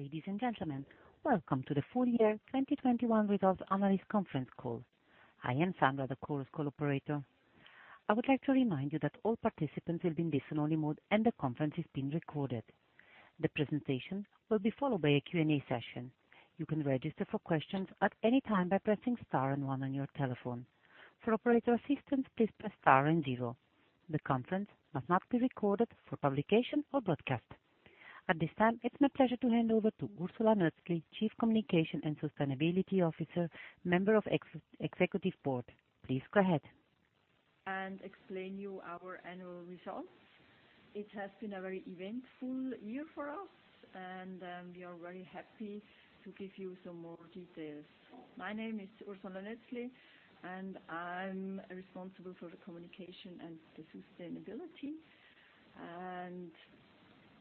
Ladies and gentlemen, welcome to the full year 2021 results analyst conference call. I am Sandra, the call's call operator. I would like to remind you that all participants will be in listen only mode and the conference is being recorded. The presentation will be followed by a Q&A session. You can register for questions at any time by pressing star and one on your telephone. For operator assistance, please press star and zero. The conference must not be recorded for publication or broadcast. At this time, it's my pleasure to hand over to Ursula Nötzli, Chief Communications and Sustainability Officer, member of the executive board. Please go ahead. Explain to you our annual results. It has been a very eventful year for us, and we are very happy to give you some more details. My name is Ursula Nötzli, and I'm responsible for the communications and the sustainability.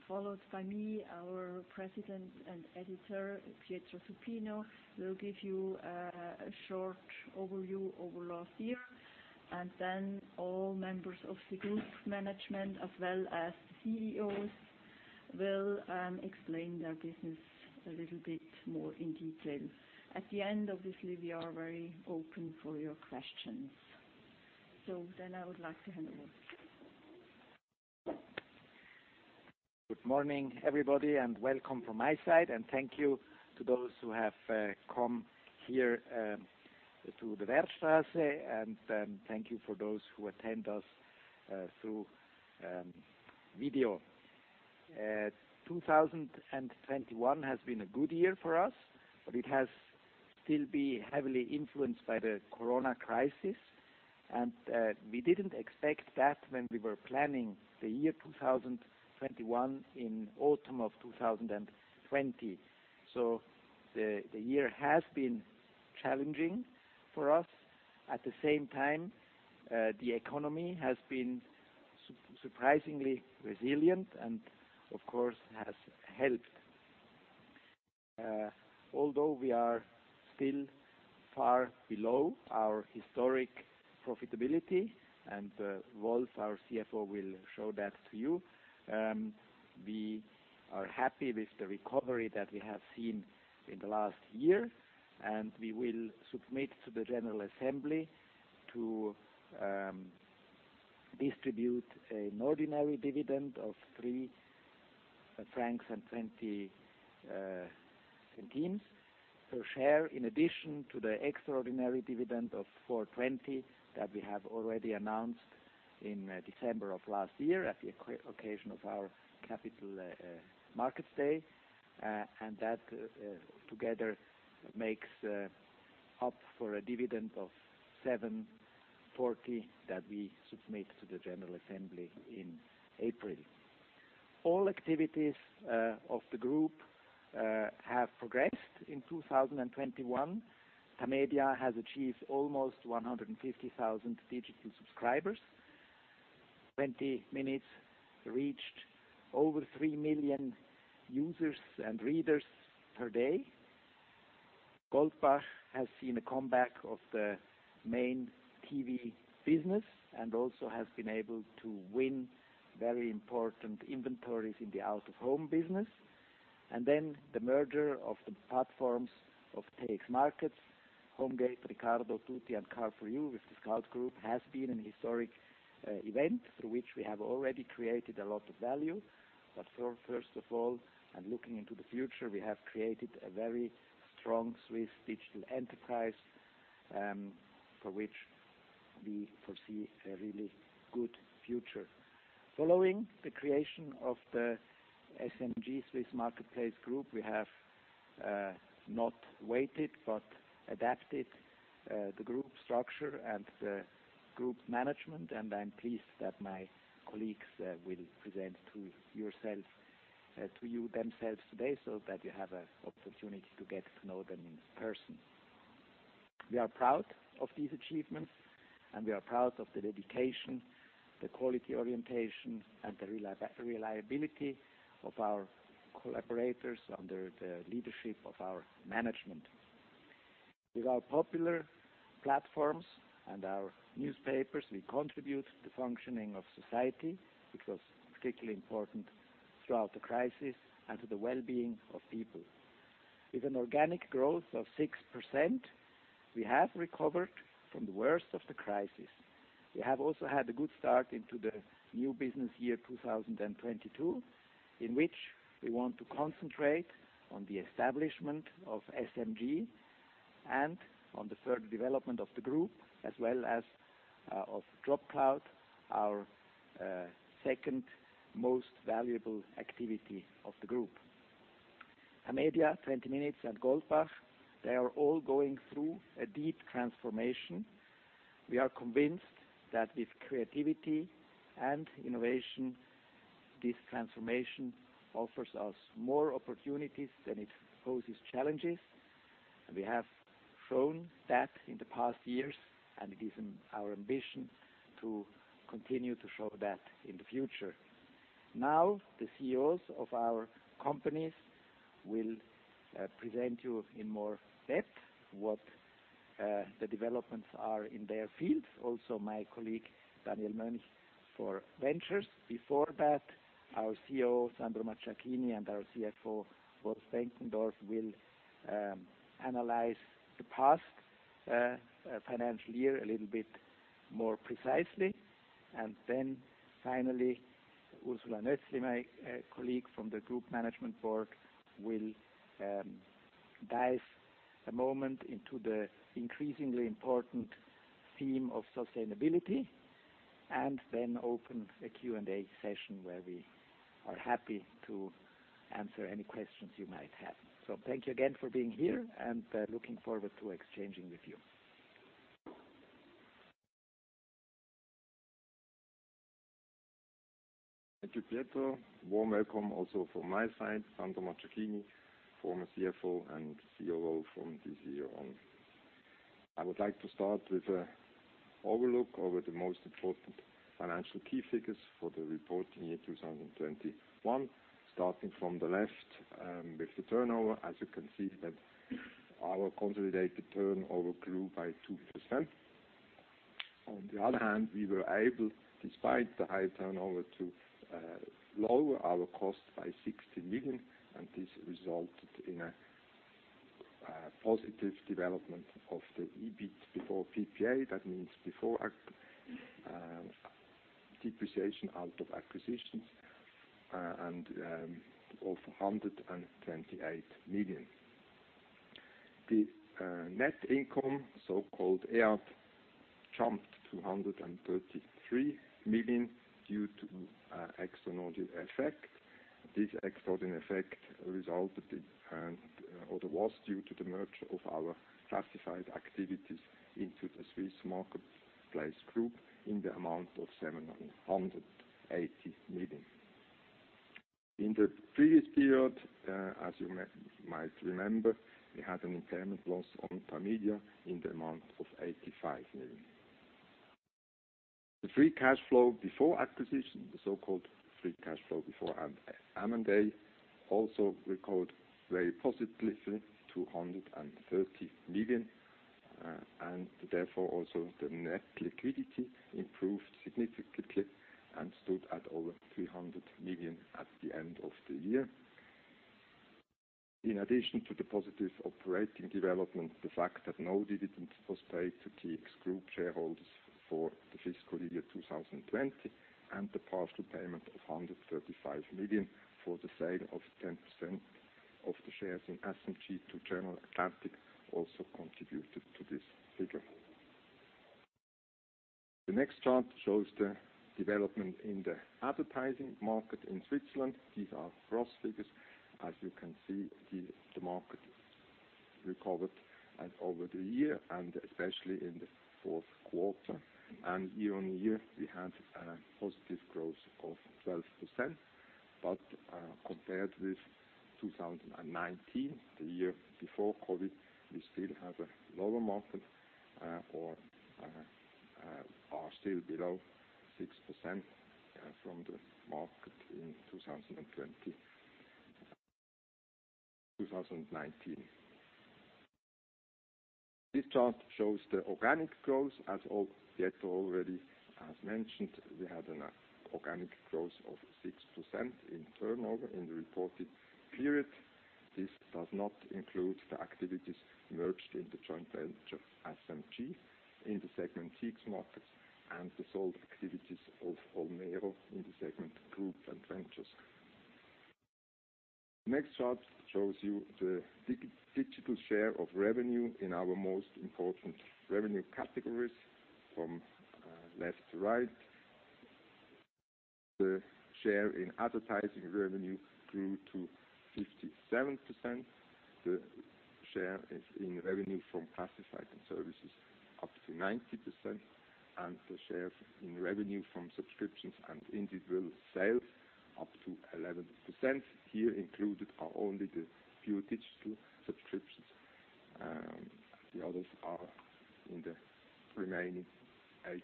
Followed by me, our President and Editor, Pietro Supino, will give you a short overview of last year, and then all members of the group management as well as the CEOs will explain their business a little bit more in detail. At the end, obviously, we are very open to your questions. I would like to hand over. Good morning, everybody, and welcome from my side, and thank you to those who have come here to the Werdstrasse, and thank you for those who attend us through video. 2021 has been a good year for us, but it has still been heavily influenced by the corona crisis. We didn't expect that when we were planning the year 2021 in autumn of 2020. The year has been challenging for us. At the same time, the economy has been surprisingly resilient and of course, has helped. Although we are still far below our historic profitability, and Wolf, our CFO, will show that to you, we are happy with the recovery that we have seen in the last year. We will submit to the general assembly to distribute an ordinary dividend of 3.20 francs per share, in addition to the extraordinary dividend of 4.20 that we have already announced in December of last year at the occasion of our capital markets day. That together makes up for a dividend of 7.40 that we submit to the general assembly in April. All activities of the group have progressed. In 2021, Tamedia has achieved almost 150,000 digital subscribers. 20 Minuten reached over 3 million users and readers per day. Goldbach has seen a comeback of the main TV business and also has been able to win very important inventories in the out-of-home business. The merger of the platforms of TX Markets, Homegate, Ricardo, Tutti, and Car For You with the Scout24 has been an historic event through which we have already created a lot of value. First of all, and looking into the future, we have created a very strong Swiss digital enterprise, for which we foresee a really good future. Following the creation of the SMG Swiss Marketplace Group, we have not waited, but adapted the group structure and the group management, and I'm pleased that my colleagues will present to you themselves today, so that you have an opportunity to get to know them in person. We are proud of these achievements, and we are proud of the dedication, the quality orientation, and the reliability of our collaborators under the leadership of our management. With our popular platforms and our newspapers, we contribute to the functioning of society, which was particularly important throughout the crisis, and to the well-being of people. With an organic growth of 6%, we have recovered from the worst of the crisis. We have also had a good start into the new business year 2022, in which we want to concentrate on the establishment of SMG and on the further development of the group, as well as of JobCloud, our second most valuable activity of the group. Tamedia, 20 Minuten, and Goldbach, they are all going through a deep transformation. We are convinced that with creativity and innovation, this transformation offers us more opportunities than it poses challenges. We have shown that in the past years, and it is our ambition to continue to show that in the future. Now, the CEOs of our companies will present you in more depth the developments are in their fields. Also my colleague Daniel Mönch for Ventures. Before that, our CEO, Sandro Macciacchini, and our CFO, Wolf-Gerrit Benkendorff, will analyze the past financial year a little bit more precisely. Then finally, Ursula Nötzli, my colleague from the group management board, will dive a moment into the increasingly important theme of sustainability, and then open a Q&A session where we are happy to answer any questions you might have. Thank you again for being here, and looking forward to exchanging with you. Thank you, Pietro. Warm welcome also from my side. Sandro Macciacchini, former CFO and COO from this year on. I would like to start with an overview of the most important financial key figures for the reporting year 2021. Starting from the left with the turnover. As you can see that our consolidated turnover grew by 2%. On the other hand, we were able, despite the high turnover, to lower our costs by 60 million, and this resulted in a positive development of the EBIT before PPA. That means before depreciation out of acquisitions and of 128 million. The net income, so-called EAT, jumped to 133 million due to extraordinary effect. This extraordinary effect resulted in, or was due to the merger of our classified activities into the Swiss Marketplace Group in the amount of 780 million. In the previous period, as you might remember, we had an impairment loss on Tamedia in the amount of 85 million. The free cash flow before acquisition, the so-called free cash flow before M&A, also record very positively 230 million, and therefore also the net liquidity improved significantly and stood at over 300 million at the end of the year. In addition to the positive operating development, the fact that no dividends was paid to TX Group shareholders for the fiscal year 2020, and the partial payment of 135 million for the sale of 10% of the shares in SMG to General Atlantic also contributed to this figure. The next chart shows the development in the advertising market in Switzerland. These are gross figures. As you can see here, the market recovered over the year and especially in the fourth quarter. Year-on-year, we had a positive growth of 12%. Compared with 2019, the year before COVID, we still have a lower market or are still below 6% from the market in 2019. This chart shows the organic growth. Pietro already has mentioned, we had an organic growth of 6% in turnover in the reported period. This does not include the activities merged in the joint venture SMG in the segment TX Markets and the sold activities of Homegate in the segment Group and Ventures. Next chart shows you the digital share of revenue in our most important revenue categories from left to right. The share in advertising revenue grew to 57%. The share in revenue from classifieds and services up to 90%, and the share in revenue from subscriptions and individual sales up to 11%. Here included are only the pure digital subscriptions. The others are in the remaining 89%.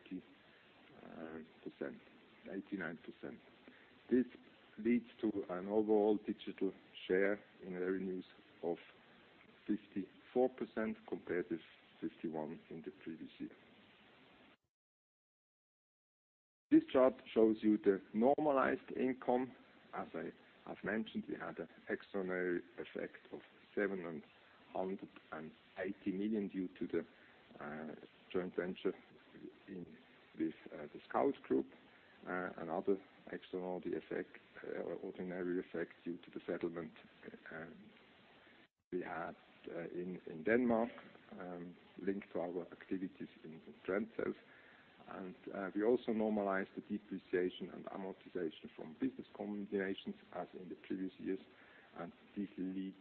This leads to an overall digital share in revenues of 54% compared with 51% in the previous year. This chart shows you the normalized income. As I have mentioned, we had an extraordinary effect of 780 million due to the joint venture with the Scout24 Group, another extraordinary effect or ordinary effect due to the settlement we had in Denmark linked to our activities in Trendsales. We also normalized the depreciation and amortization from business combinations as in the previous years, and this leads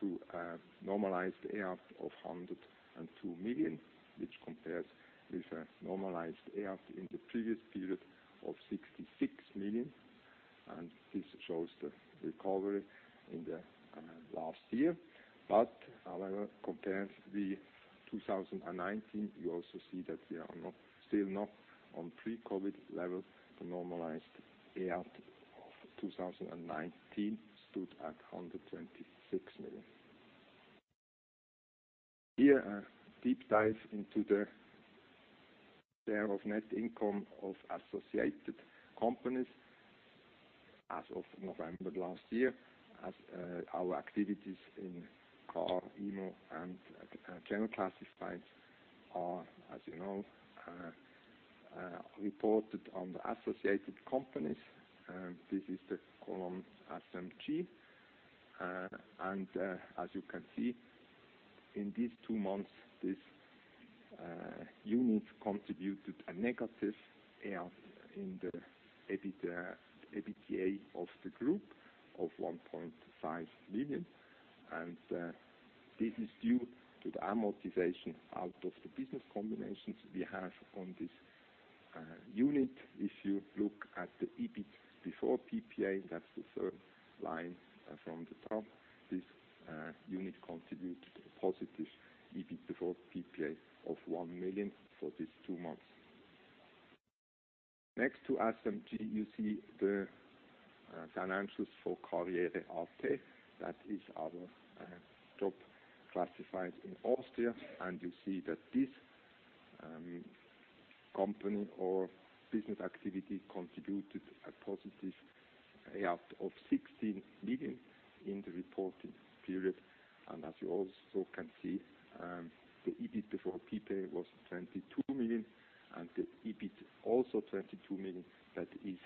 to a normalized EAT of 102 million, which compares with a normalized EAT in the previous period of 66 million. This shows the recovery in the last year. However, compared to 2019, you also see that we are still not on pre-COVID levels for normalized EAT. 2019 stood at CHF 126 million. Here's a deep dive into the share of net income of associated companies as of November last year. Our activities in car, home, and general classifieds are, as you know, reported on the associated companies, and this is the column SMG. As you can see in these two months, these units contributed a negative EAT in the EBIT and EBITDA of the group of 1.5 million. This is due to the amortization out of the business combinations we have on this unit. If you look at the EBIT before PPA, that's the third line from the top. This unit contributed a positive EBIT before PPA of 1 million for these two months. Next to SMG, you see the financials for karriere.at. That is our job classifieds in Austria. You see that this company or business activity contributed a positive EAT of 16 million in the reporting period. As you also can see, the EBIT before PPA was 22 million, and the EBIT also 22 million. That is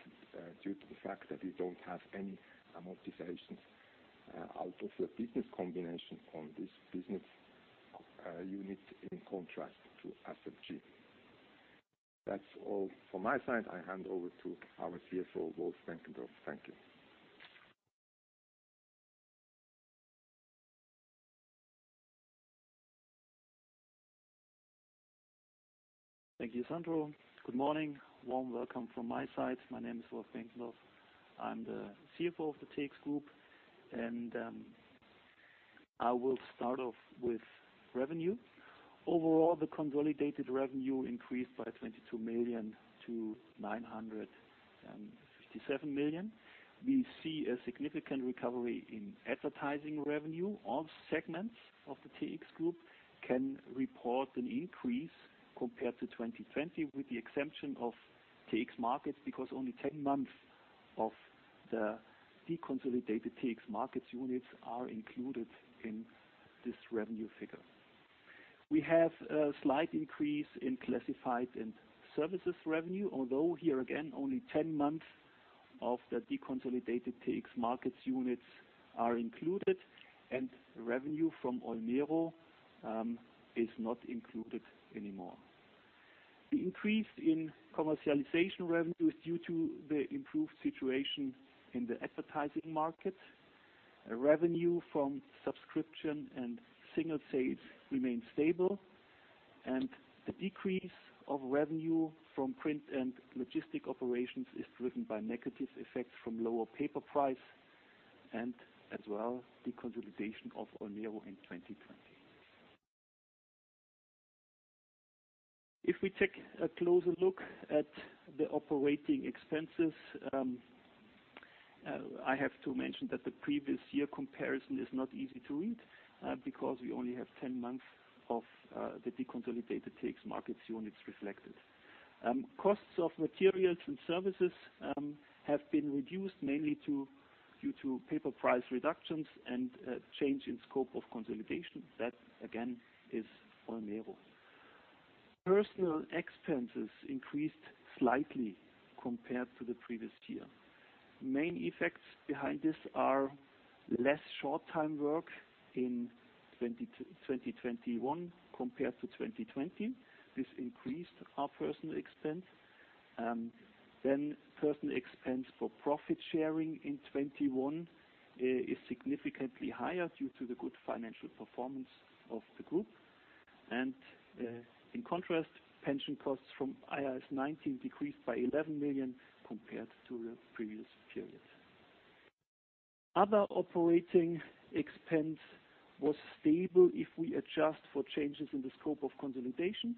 due to the fact that we don't have any amortizations out of the business combination on this business unit, in contrast to SMG. That's all from my side. I hand over to our CFO, Wolf-Gerrit Benkendorff. Thank you. Thank you, Sandro. Good morning. Warm welcome from my side. My name is Wolf-Gerrit Benkendorff. I'm the CFO of the TX Group, and I will start off with revenue. Overall, the consolidated revenue increased by 22 million to 957 million. We see a significant recovery in advertising revenue. All segments of the TX Group can report an increase compared to 2020, with the exception of TX Markets, because only 10 months of the deconsolidated TX Markets units are included in this revenue figure. We have a slight increase in classified and services revenue, although here again, only 10 months of the deconsolidated TX Markets units are included, and revenue from Olmero is not included anymore. The increase in commercialization revenue is due to the improved situation in the advertising market. Revenue from subscription and single sales remain stable, and the decrease of revenue from print and logistics operations is driven by negative effects from lower paper price and as well deconsolidation of Olmero in 2020. If we take a closer look at the operating expenses, I have to mention that the previous year comparison is not easy to read, because we only have 10 months of the deconsolidated TX Markets units reflected. Costs of materials and services have been reduced mainly due to paper price reductions and change in scope of consolidation. That, again, is Olmero. Personnel expenses increased slightly compared to the previous year. Main effects behind this are less short-time work in 2021 compared to 2020. This increased our personnel expense. Personnel expense for profit sharing in 2021 is significantly higher due to the good financial performance of the group. In contrast, pension costs from IAS 19 decreased by 11 million compared to the previous period. Other operating expense was stable if we adjust for changes in the scope of consolidation.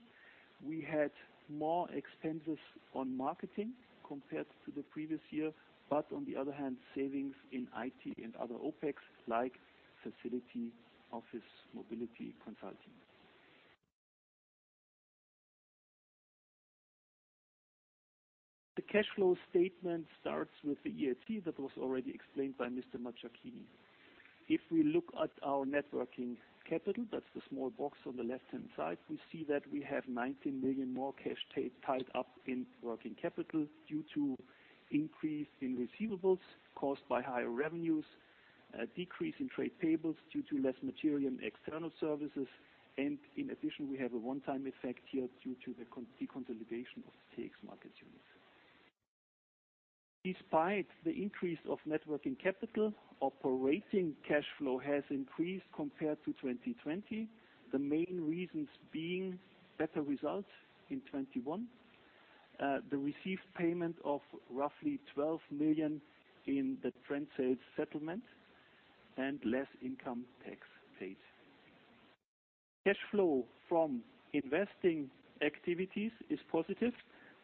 We had more expenses on marketing compared to the previous year, but on the other hand, savings in IT and other OpEx, like facility, office, mobility, consulting. The cash flow statement starts with the EAT that was already explained by Mr. Macciacchini. If we look at our net working capital, that's the small box on the left-hand side, we see that we have 19 million more cash tied up in working capital due to increase in receivables caused by higher revenues, a decrease in trade payables due to less material and external services. In addition, we have a one-time effect here due to the deconsolidation of the TX Markets unit. Despite the increase of net working capital, operating cash flow has increased compared to 2020. The main reasons being better results in 2021, the received payment of roughly 12 million in the Trendsales settlement and less income tax paid. Cash flow from investing activities is positive,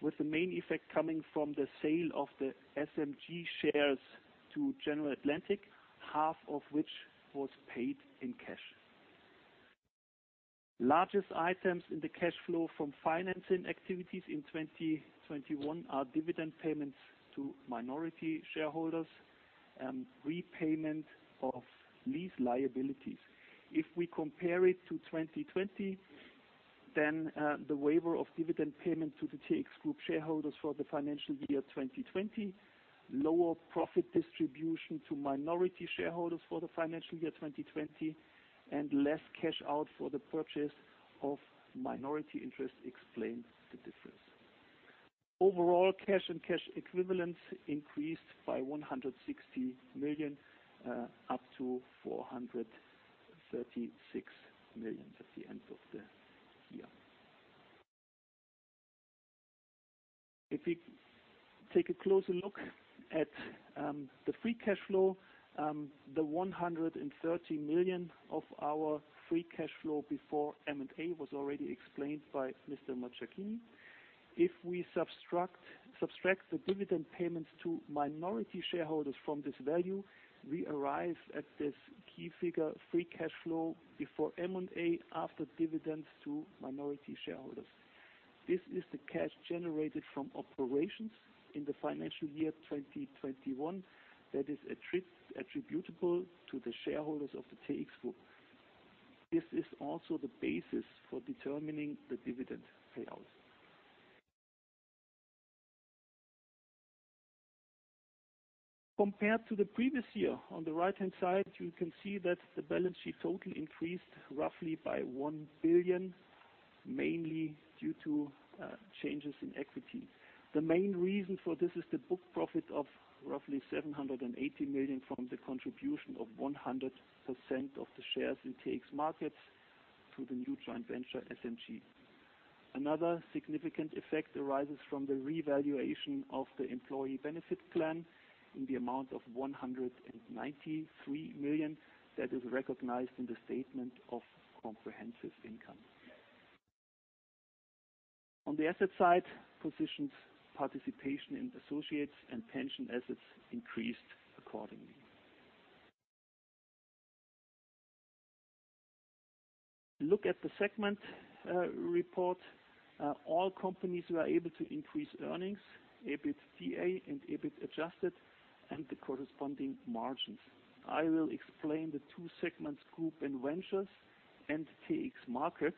with the main effect coming from the sale of the SMG shares to General Atlantic, half of which was paid in cash. Largest items in the cash flow from financing activities in 2021 are dividend payments to minority shareholders and repayment of lease liabilities. If we compare it to 2020, the waiver of dividend payments to the TX Group shareholders for the financial year 2020, lower profit distribution to minority shareholders for the financial year 2020, and less cash out for the purchase of minority interest explains the difference. Overall, cash and cash equivalents increased by 160 million up to 436 million at the end of the year. If we take a closer look at the free cash flow, the 130 million of our free cash flow before M&A was already explained by Mr. Macciacchini. If we subtract the dividend payments to minority shareholders from this value, we arrive at this key figure, free cash flow before M&A after dividends to minority shareholders. This is the cash generated from operations in the financial year 2021 that is attributable to the shareholders of the TX Group. This is also the basis for determining the dividend payout. Compared to the previous year, on the right-hand side, you can see that the balance sheet total increased roughly by 1 billion, mainly due to changes in equity. The main reason for this is the book profit of roughly 780 million from the contribution of 100% of the shares in TX Markets to the new joint venture, SMG. Another significant effect arises from the revaluation of the employee benefit plan in the amount of 193 million that is recognized in the statement of comprehensive income. On the asset side, positions, participation in associates and pension assets increased accordingly. Look at the segment report. All companies were able to increase earnings, EBITDA and EBIT adjusted, and the corresponding margins. I will explain the two segments, Group and Ventures and TX Markets,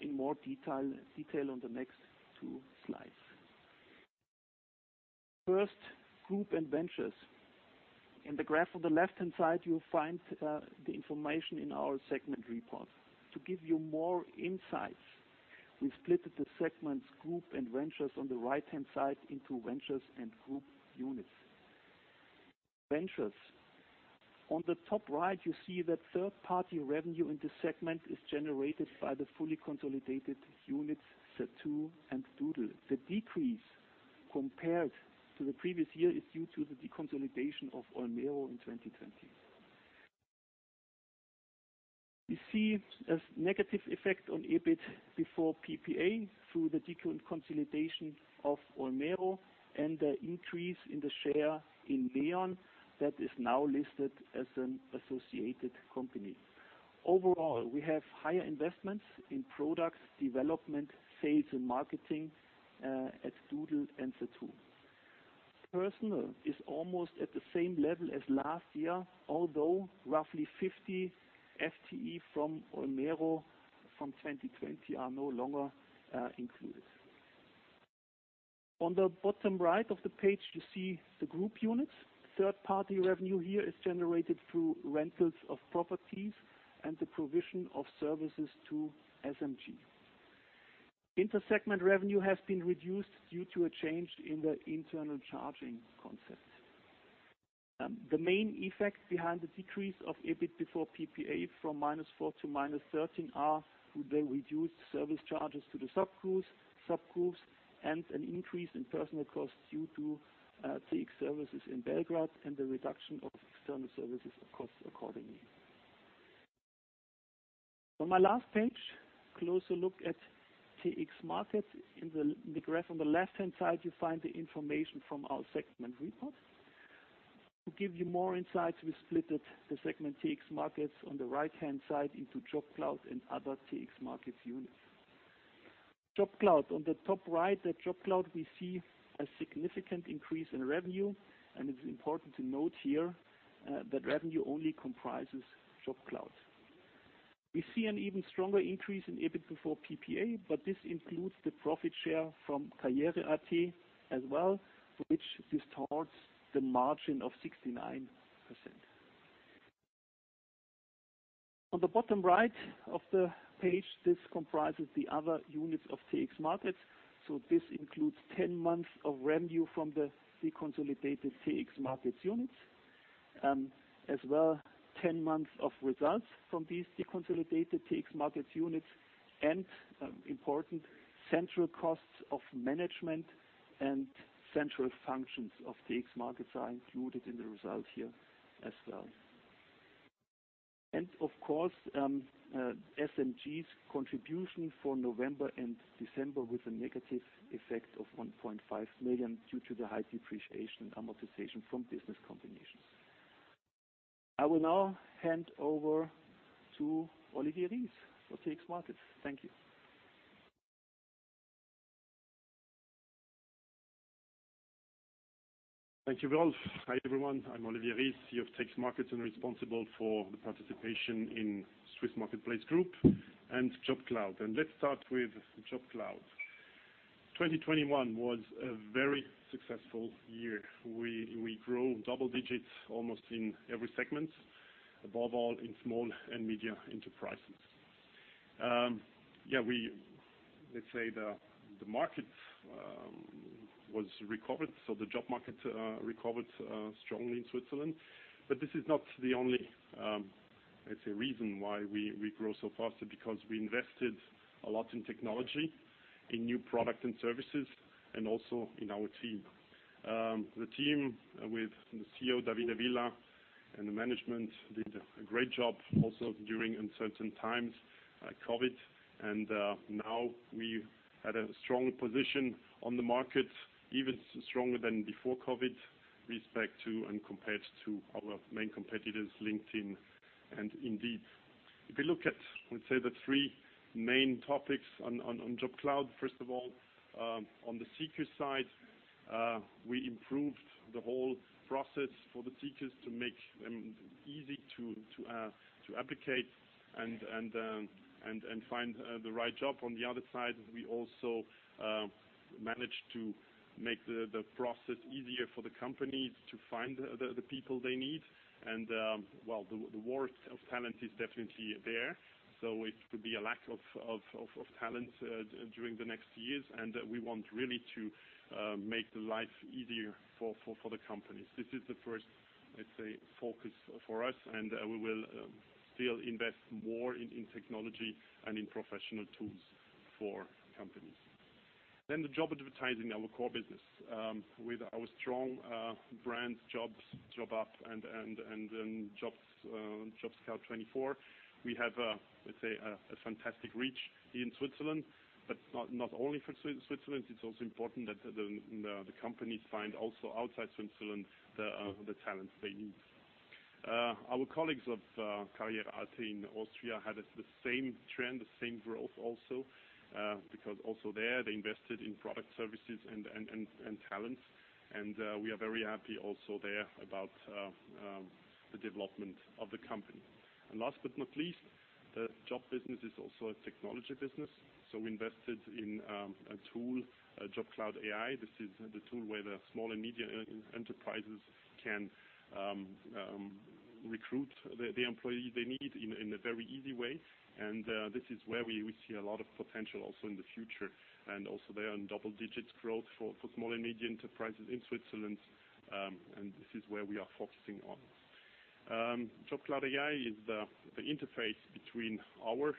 in more detail on the next two slides. First, Group and Ventures. In the graph on the left-hand side, you'll find the information in our segment report. To give you more insights, we split the segments Group and Ventures on the right-hand side into Ventures and Group Units. Ventures. On the top right, you see that third-party revenue in this segment is generated by the fully consolidated units, Zattoo and Doodle. The decrease compared to the previous year is due to the deconsolidation of Olmero in 2020. You see a negative effect on EBIT before PPA through the deconsolidation of Olmero and the increase in the share in Neon that is now listed as an associated company. Overall, we have higher investments in products, development, sales, and marketing at Doodle and Zattoo. Personnel is almost at the same level as last year, although roughly 50 FTE from Olmero from 2020 are no longer included. On the bottom right of the page, you see the Group Units. Third-party revenue here is generated through rentals of properties and the provision of services to SMG. Inter-segment revenue has been reduced due to a change in the internal charging concept. The main effect behind the decrease of EBIT before PPA from -4 to -13 are the reduced service charges to the subgroups and an increase in personnel costs due to TX services in Belgrade and the reduction of external services costs accordingly. On my last page, a closer look at TX Markets. In the graph on the left-hand side, you find the information from our segment report. To give you more insights, we split the segment TX Markets on the right-hand side into JobCloud and other TX Markets units. JobCloud. On the top right, at JobCloud, we see a significant increase in revenue, and it's important to note here that revenue only comprises JobCloud. We see an even stronger increase in EBIT before PPA, but this includes the profit share from Karriere.at as well, which distorts the margin of 69%. On the bottom right of the page, this comprises the other units of TX Markets, so this includes 10 months of revenue from the deconsolidated TX Markets units, as well 10 months of results from these deconsolidated TX Markets units. Important central costs of management and central functions of the TX Markets are included in the results here as well. Of course, SMG's contribution for November and December with a negative effect of 1.5 million due to the high depreciation amortization from business combinations. I will now hand over to Olivier Rihs for TX Markets. Thank you. Thank you, Wolf. Hi, everyone. I'm Olivier Rihs, CEO of TX Markets and responsible for the participation in Swiss Marketplace Group and JobCloud. Let's start with JobCloud. 2021 was a very successful year. We grow double digits almost in every segment, above all in small and medium enterprises. The markets was recovered. The job market recovered strongly in Switzerland. This is not the only reason why we grow so fast because we invested a lot in technology, in new product and services, and also in our team. The team with the CEO, Davide Villa, and the management did a great job also during uncertain times, COVID. Now we had a strong position on the market, even stronger than before COVID with respect to and compared to our main competitors, LinkedIn and Indeed. If you look at, let's say, the three main topics on JobCloud, first of all, on the seeker side, we improved the whole process for the seekers to make it easy to replicate and find the right job. On the other side, we also managed to make the process easier for the company to find the people they need. Well, the war for talent is definitely there. It could be a lack of talent during the next years. We want really to make the life easier for the companies. This is the first, let's say, focus for us, and we will still invest more in technology and in professional tools for companies. The job advertising, our core business, with our strong brands, jobs.ch, jobup.ch, and JobScout24, we have, let's say, a fantastic reach in Switzerland. Not only for Switzerland, it's also important that the companies find also outside Switzerland the talent they need. Our colleagues of Karriere.at in Austria had the same trend, the same growth also, because also there they invested in product services and talent. We are very happy also there about the development of the company. Last but not least, the job business is also a technology business. We invested in a tool, JobCloud.ai. This is the tool where the small and medium enterprises can recruit the employee they need in a very easy way. This is where we see a lot of potential also in the future, and also there in double-digit growth for small and medium enterprises in Switzerland, and this is where we are focusing on. JobCloud AI is the interface between our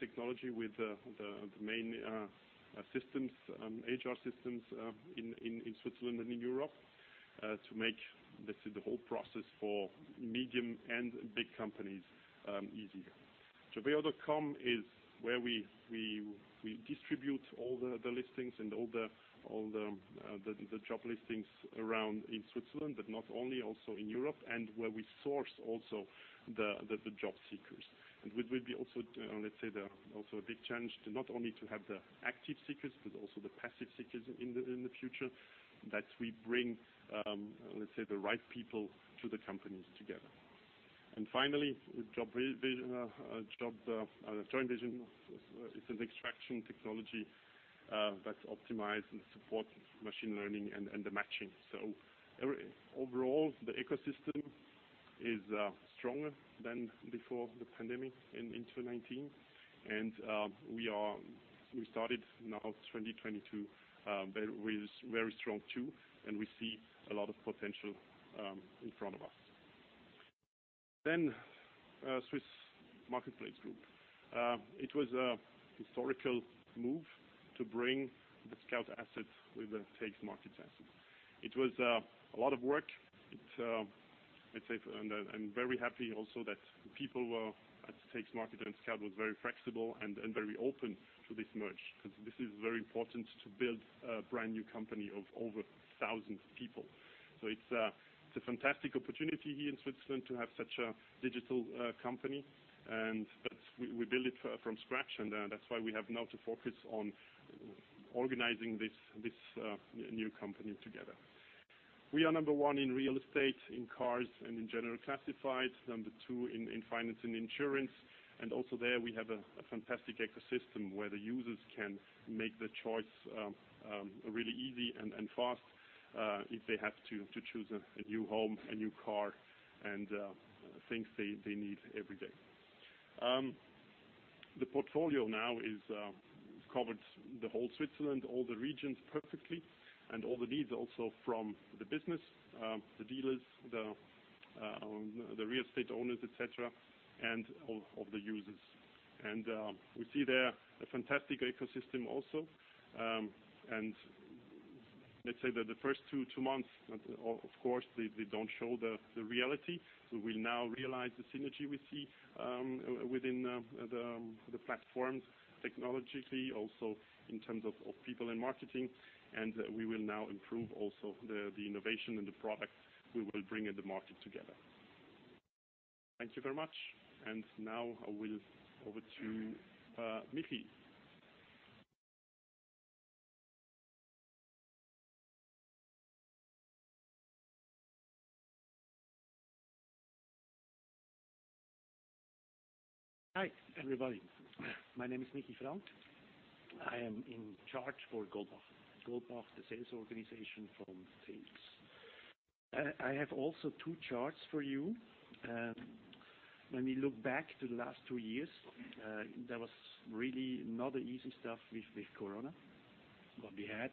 technology with the main systems, HR systems, in Switzerland and in Europe, to make, let's say, the whole process for medium and big companies, easier. jobbio.com is where we distribute all the listings and all the job listings around in Switzerland, but not only also in Europe, and where we source also the job seekers. We'll be also, let's say, also a big change to not only have the active seekers, but also the passive seekers in the future that we bring the right people to the companies together. Finally, JoinVision is an extraction technology that optimize and support machine learning and the matching. Overall, the ecosystem is stronger than before the pandemic in 2019. We started now 2022 with very strong too, and we see a lot of potential in front of us. Swiss Marketplace Group. It was a historical move to bring the Scout asset with the TX Markets asset. It was a lot of work. Let's say, and very happy also that people were at TX Markets and Scout was very flexible and very open to this merge because this is very important to build a brand new company of over thousands of people. It's a fantastic opportunity here in Switzerland to have such a digital company. But we build it from scratch, and that's why we have now to focus on organizing this new company together. We are number one in real estate, in cars, and in general classified. Number two in finance and insurance. There we have a fantastic ecosystem where the users can make the choice really easy and fast if they have to choose a new home, a new car, and things they need every day. The portfolio now is covered the whole Switzerland, all the regions perfectly, and all the needs also from the business, the dealers, the real estate owners, et cetera, and all of the users. We see there a fantastic ecosystem also. Let's say that the first two months, of course, they don't show the reality. We will now realize the synergy we see within the platforms technologically also in terms of people in marketing. We will now improve also the innovation and the product we will bring in the market together. Thank you very much. Now I will over to Michi. Hi, everybody. My name is Michi Frank. I am in charge for Goldbach. Goldbach, the sales organization from Ringier. I have also two charts for you. When we look back to the last two years, that was really not an easy stuff with Corona, what we had,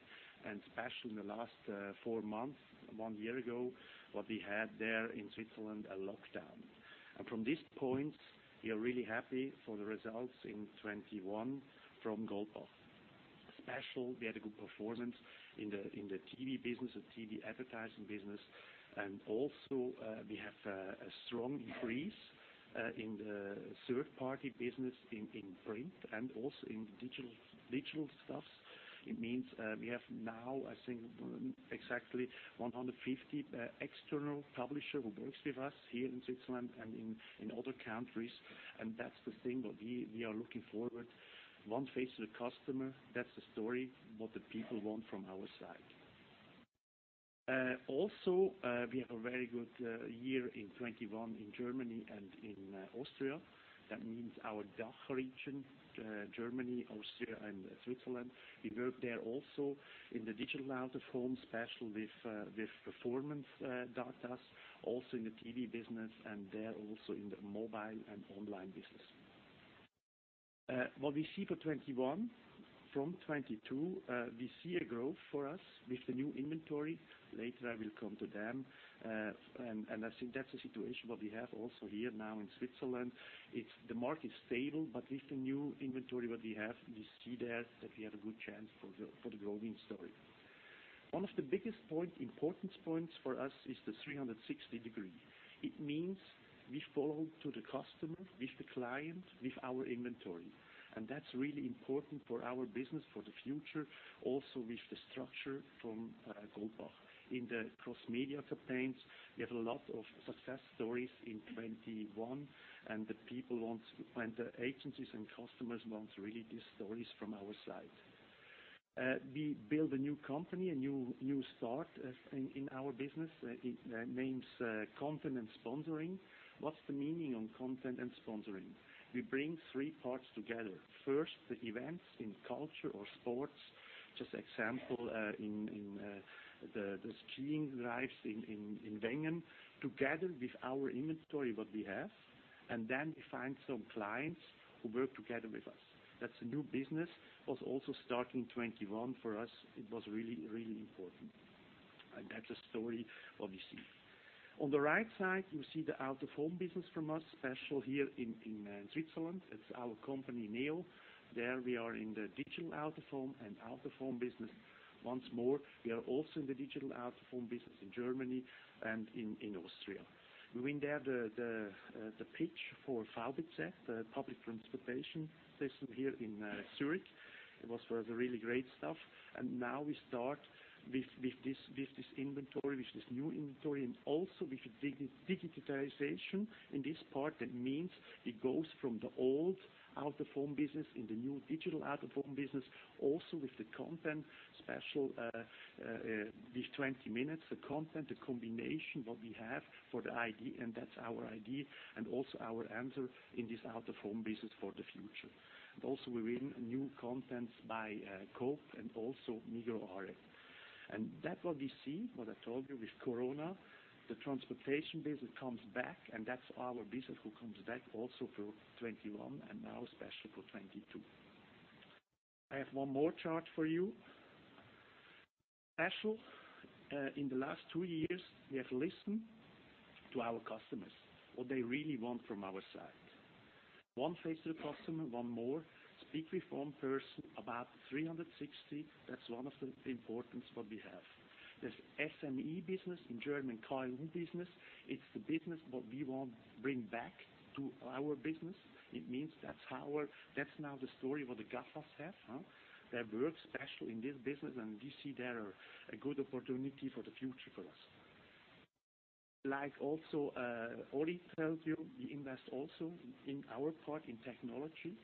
and especially in the last four months, one year ago, what we had there in Switzerland, a lockdown. From this point, we are really happy for the results in 2021 from Goldbach. Especially, we had a good performance in the TV business, the TV advertising business, and also, we have a strong increase in the third-party business in print and also in digital stuffs. It means we have now, I think, exactly 150 external publisher who works with us here in Switzerland and in other countries. That's the thing that we are looking forward. One face to the customer, that's the story what the people want from our side. Also, we have a very good year in 2021 in Germany and in Austria. That means our DACH region, Germany, Austria, and Switzerland. We work there also in the digital out-of-home, especially with performance data, also in the TV business and there also in the mobile and online business. What we see for 2021, from 2022, we see a growth for us with the new inventory. Later, I will come to them. I think that's the situation what we have also here now in Switzerland. The market is stable, but with the new inventory what we have, we see that we have a good chance for the growing story. One of the biggest point, importance points for us is the 360-degree. It means we follow to the customer, with the client, with our inventory. That's really important for our business for the future, also with the structure from Goldbach. In the cross-media campaigns, we have a lot of success stories in 2021, and the agencies and customers want really these stories from our side. We build a new company, a new start as in our business. It names content and sponsoring. What's the meaning on content and sponsoring? We bring three parts together. First, the events in culture or sports. Just example, in the skiing races in Wengen together with our inventory, what we have. Then we find some clients who work together with us. That's a new business, was also starting 2021 for us. It was really important. That's a story what we see. On the right side, you see the out-of-home business from us, especially here in Switzerland. It's our company, Neo. There we are in the digital out-of-home and out-of-home business. Once more, we are also in the digital out-of-home business in Germany and in Austria. We win there the pitch for VBZ, the public transportation system here in Zurich. It was for the really great stuff. Now we start with this new inventory and also with the digitization in this part. That means it goes from the old out-of-home business in the new digital out-of-home business, also with the content special with 20 minutes, the content, the combination what we have for the idea, and that's our idea and also our answer in this out-of-home business for the future. We win new contents by Coop and also Migros Aare. That is what we see, what I told you with Corona, the transportation business comes back, and that's our business who comes back also for 2021 and now special for 2022. I have one more chart for you. Especially in the last two years, we have listened to our customers, what they really want from our side. One face to the customer, no more. Speak with one person about 360. That's one of the importance what we have. There's SME business in German, KMU business. It's the business what we want bring back to our business. It means that's now the story what the GAFAs have, huh? They work especially in this business, and we see there a good opportunity for the future for us. Like also, Oli told you, we invest also in our part in technology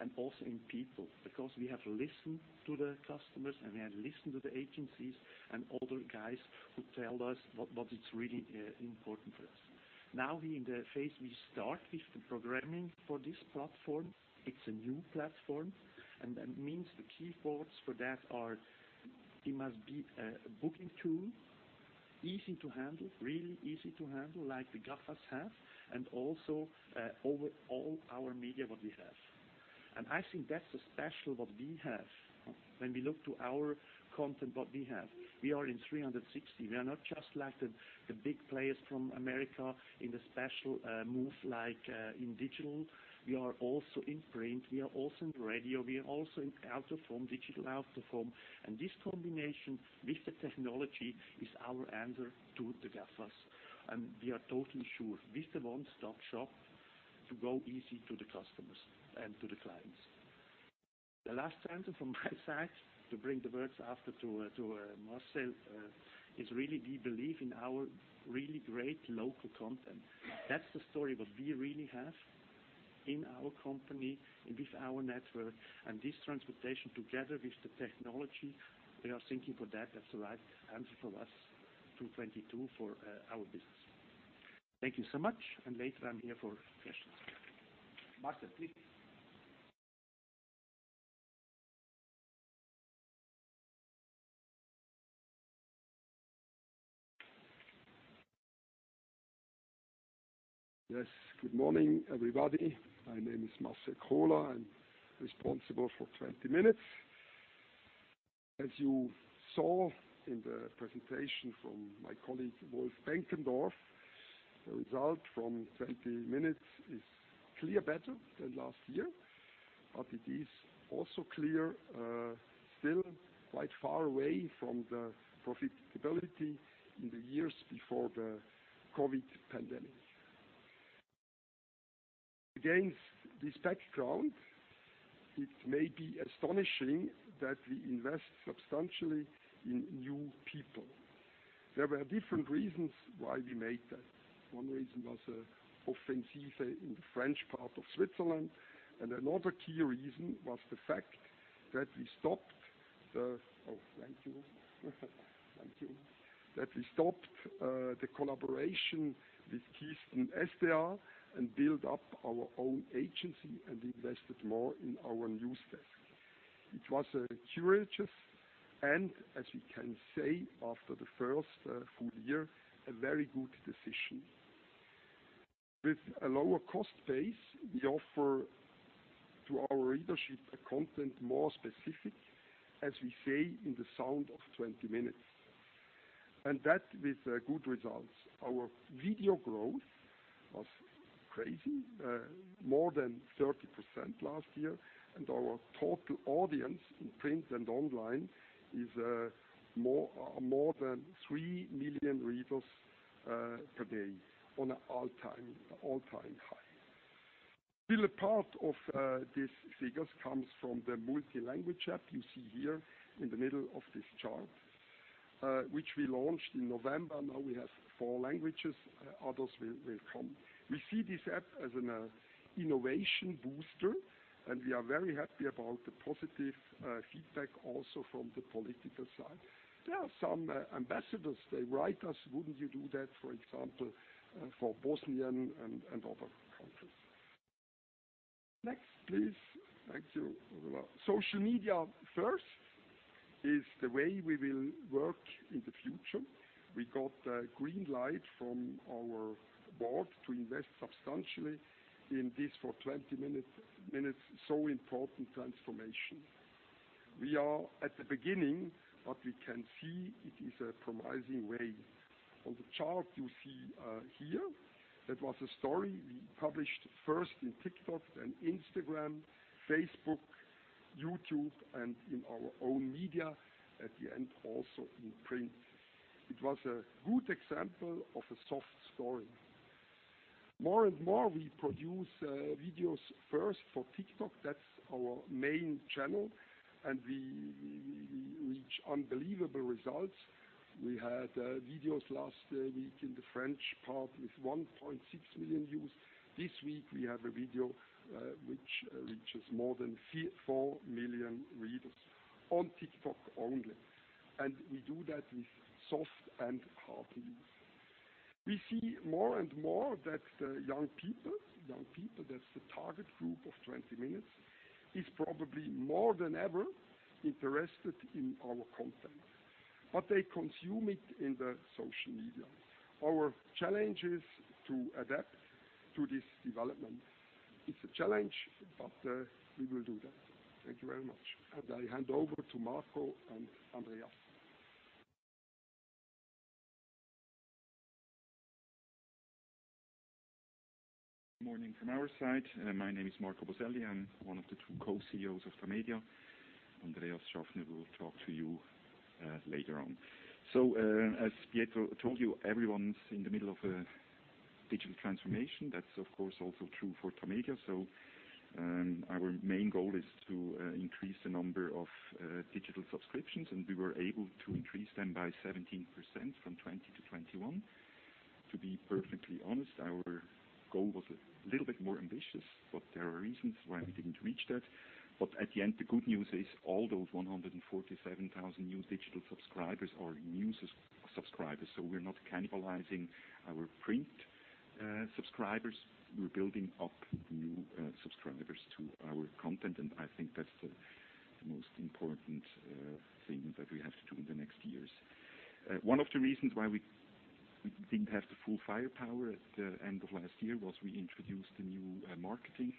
and also in people because we have listened to the customers, and we have listened to the agencies and other guys who tell us what is really important for us. Now we are in the phase, we start with the programming for this platform. It's a new platform, and that means the key points for that are it must be a booking tool easy to handle, really easy to handle like the GAFA have, and also overall our media what we have. I think that's the special what we have when we look to our content what we have. We are in 360. We are not just like the big players from America in the special move like in digital. We are also in print, we are also in radio, we are also in out-of-home, digital out-of-home. This combination with the technology is our answer to the GAFA's. We are totally sure with the one-stop shop to go easy to the customers and to the clients. The last sentence from my side to bring the words after to to Marcel is really we believe in our really great local content. That's the story what we really have in our company and with our network, and this transformation together with the technology, we are thinking that that's the right answer for us to 2022 for our business. Thank you so much, and later I'm here for questions. Marcel, please. Yes. Good morning, everybody. My name is Marcel Kohler. I'm responsible for 20 Minuten. As you saw in the presentation from my colleague, Wolf Benkendorff, the result from 20 Minuten is clearly better than last year. It is also clear, still quite far away from the profitability in the years before the COVID pandemic. Against this background, it may be astonishing that we invest substantially in new people. There were different reasons why we made that. One reason was, offensive in the French part of Switzerland, and another key reason was the fact that we stopped the collaboration with Keystone-SDA and built up our own agency and invested more in our news desk. It was, courageous and as we can say after the first, full year, a very good decision. With a lower cost base, we offer to our readership a content more specific, as we say, in the sound of 20 Minuten. That with good results. Our video growth was crazy, more than 30% last year, and our total audience in print and online is more than 3 million readers per day, an all-time high. Still a part of these figures comes from the multi-language app you see here in the middle of this chart, which we launched in November. Now we have four languages, others will come. We see this app as an innovation booster, and we are very happy about the positive feedback also from the political side. There are some ambassadors, they write us, "Wouldn't you do that, for example, for Bosnian and other countries?" Next, please. Thank you. Social media first is the way we will work in the future. We got a green light from our board to invest substantially in this for 20 Minuten, so important transformation. We are at the beginning, but we can see it is a promising way. On the chart you see here, that was a story we published first in TikTok, then Instagram, Facebook, YouTube, and in our own media, at the end also in print. It was a good example of a soft story. More and more, we produce videos first for TikTok. That's our main channel, and we reach unbelievable results. We had videos last week in the French part with 1.6 million views. This week we have a video, which reaches more than 4 million readers on TikTok only. We do that with soft and hard news. We see more and more that, young people, that's the target group of 20 Minuten, is probably more than ever interested in our content, but they consume it in the social media. Our challenge is to adapt to this development. It's a challenge, but, we will do that. Thank you very much. I hand over to Marco and Andreas. Morning from our side. My name is Marco Boselli. I'm one of the two co-CEOs of Tamedia. Andreas Schaffner will talk to you, later on. As Pietro told you, everyone's in the middle of a digital transformation. That's of course also true for Tamedia. Our main goal is to increase the number of digital subscriptions, and we were able to increase them by 17% from 2020-2021. To be perfectly honest, our goal was a little bit more ambitious, but there are reasons why we didn't reach that. At the end, the good news is all those 147,000 new digital subscribers are new subscribers. We're not cannibalizing our print subscribers, we're building up new subscribers to our content, and I think that's the most important thing that we have to do in the next years. One of the reasons why we didn't have the full firepower at the end of last year was we introduced a new marketing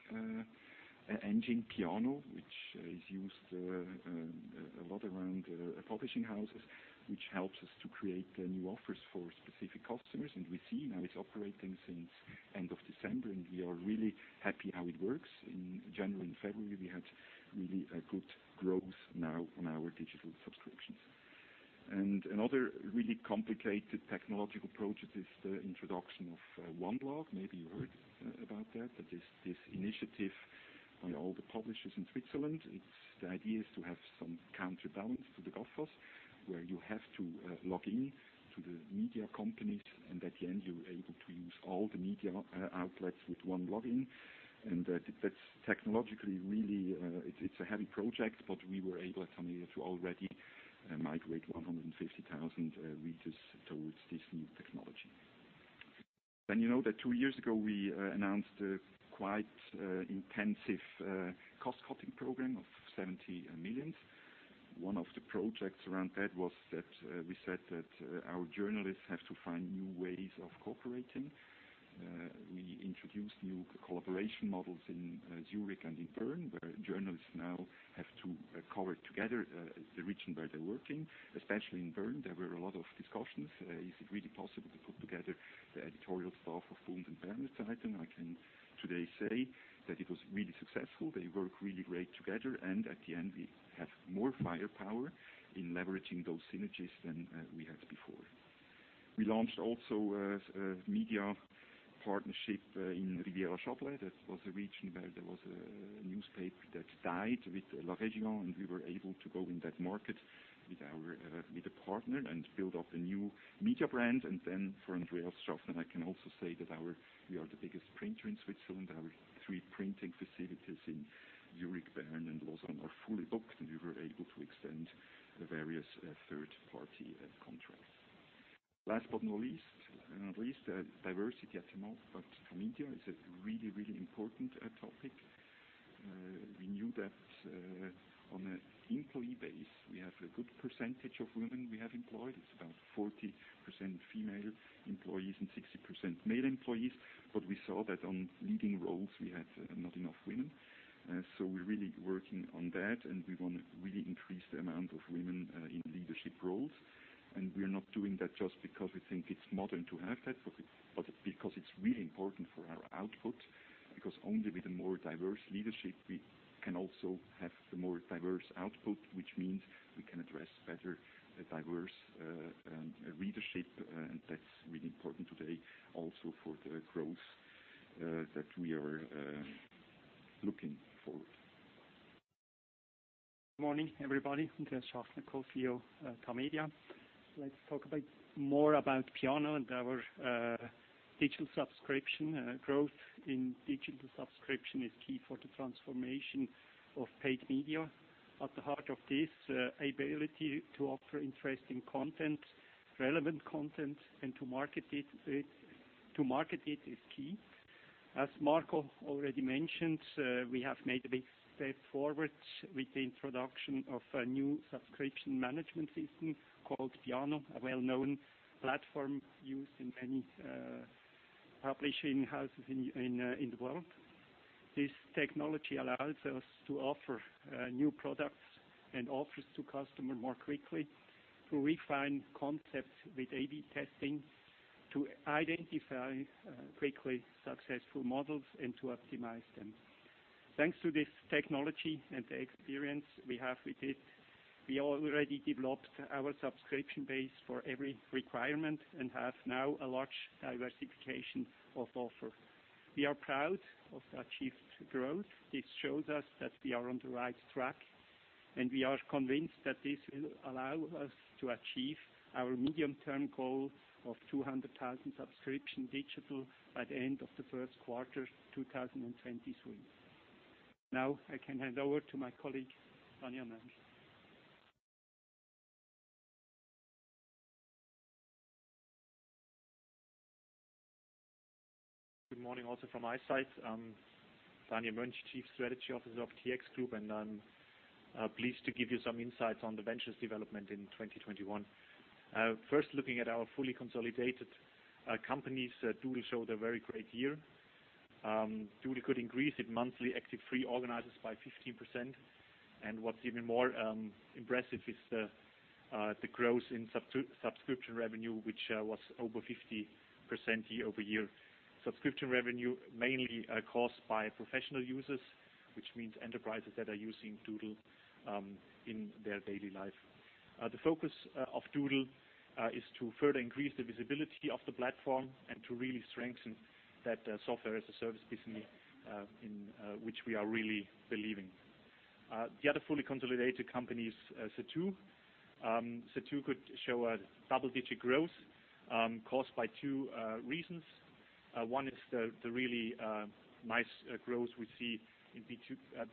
engine, Piano, which is used a lot around publishing houses, which helps us to create new offers for specific customers. We see now it's operating since end of December, and we are really happy how it works. In January and February, we had really a good growth now on our digital subscriptions. Another really complicated technological project is the introduction of OneLog. Maybe you heard about that. That is this initiative by all the publishers in Switzerland. The idea is to have some counterbalance to the GAFA source where you have to log in to the media companies, and at the end, you're able to use all the media outlets with one login. That's technologically really a heavy project, but we were able at Tamedia to already migrate 150,000 readers towards this new technology. You know that two years ago we announced a quite intensive cost-cutting program of 70 million. One of the projects around that was that we said that our journalists have to find new ways of cooperating. We introduced new collaboration models in Zurich and in Bern, where journalists now have to cover together the region where they're working. Especially in Bern, there were a lot of discussions. Is it really possible to put together the editorial staff of Der Bund and Berner Zeitung? I can today say that it was really successful. They work really great together, and at the end, we have more firepower in leveraging those synergies than we had before. We launched also a media partnership in Riviera-Chablais. That was a region where there was a newspaper that died with La Région, and we were able to go in that market with our with a partner and build up a new media brand. For Andreas Schaffner, I can also say that our we are the biggest printer in Switzerland. Our three printing facilities in Zurich, Bern, and Lausanne are fully booked, and we were able to extend the various third-party contracts. Last but not least, diversity at Tamedia is a really, really important topic. We knew that, on an employee base, we have a good percentage of women we have employed. It's about 40% female employees and 60% male employees. We saw that on leading roles we had not enough women. We're really working on that, and we wanna really increase the amount of women in leadership roles. We are not doing that just because we think it's modern to have that, but because it's really important for our output, because only with a more diverse leadership we can also have a more diverse output, which means we can address better a diverse readership. That's really important today also for the growth that we are looking for. Morning, everybody. Andreas Schaffner, Co-CEO, Tamedia. Let's talk a bit more about Piano and our digital subscription. Growth in digital subscription is key for the transformation of paid media. At the heart of this ability to offer interesting content, relevant content, and to market it is key. As Marco already mentioned, we have made a big step forward with the introduction of a new subscription management system called Piano, a well-known platform used in many publishing houses in the world. This technology allows us to offer new products and offers to customer more quickly, to refine concepts with A/B testing, to identify quickly successful models and to optimize them. Thanks to this technology and the experience we have with it, we already developed our subscription base for every requirement and have now a large diversification of offer. We are proud of the achieved growth. This shows us that we are on the right track, and we are convinced that this will allow us to achieve our medium-term goal of 200,000 digital subscriptions by the end of the first quarter 2023. Now I can hand over to my colleague, Daniel Mönch. Good morning also from my side. I'm Daniel Mönch, Chief Strategy Officer of TX Group, and I'm pleased to give you some insights on the ventures development in 2021. First, looking at our fully consolidated companies, Doodle showed a very great year. Doodle could increase its monthly active free organizers by 15%. What's even more impressive is the growth in subscription revenue, which was over 50% year-over-year. Subscription revenue mainly caused by professional users, which means enterprises that are using Doodle in their daily life. The focus of Doodle is to further increase the visibility of the platform and to really strengthen that software-as-a-service business, in which we are really believing. The other fully consolidated companies, Zattoo. Zattoo could show a double-digit growth, caused by two reasons. One is the really nice growth we see in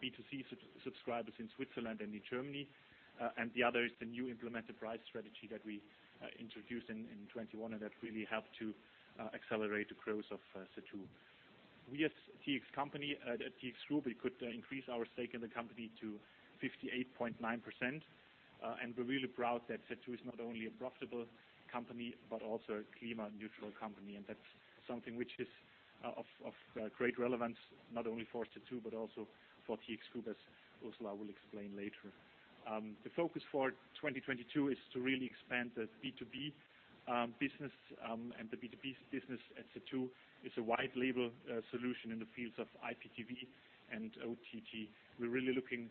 B2C subscribers in Switzerland and in Germany. The other is the new implemented price strategy that we introduced in 2021, and that really helped to accelerate the growth of Zattoo. We as TX company at TX Group could increase our stake in the company to 58.9%. We're really proud that Zattoo is not only a profitable company, but also a climate neutral company. That's something which is of great relevance, not only for Zattoo, but also for TX Group, as Ursula will explain later. The focus for 2022 is to really expand the B2B business, and the B2B SaaS business at Zattoo is a white label solution in the fields of IPTV and OTT. We're really looking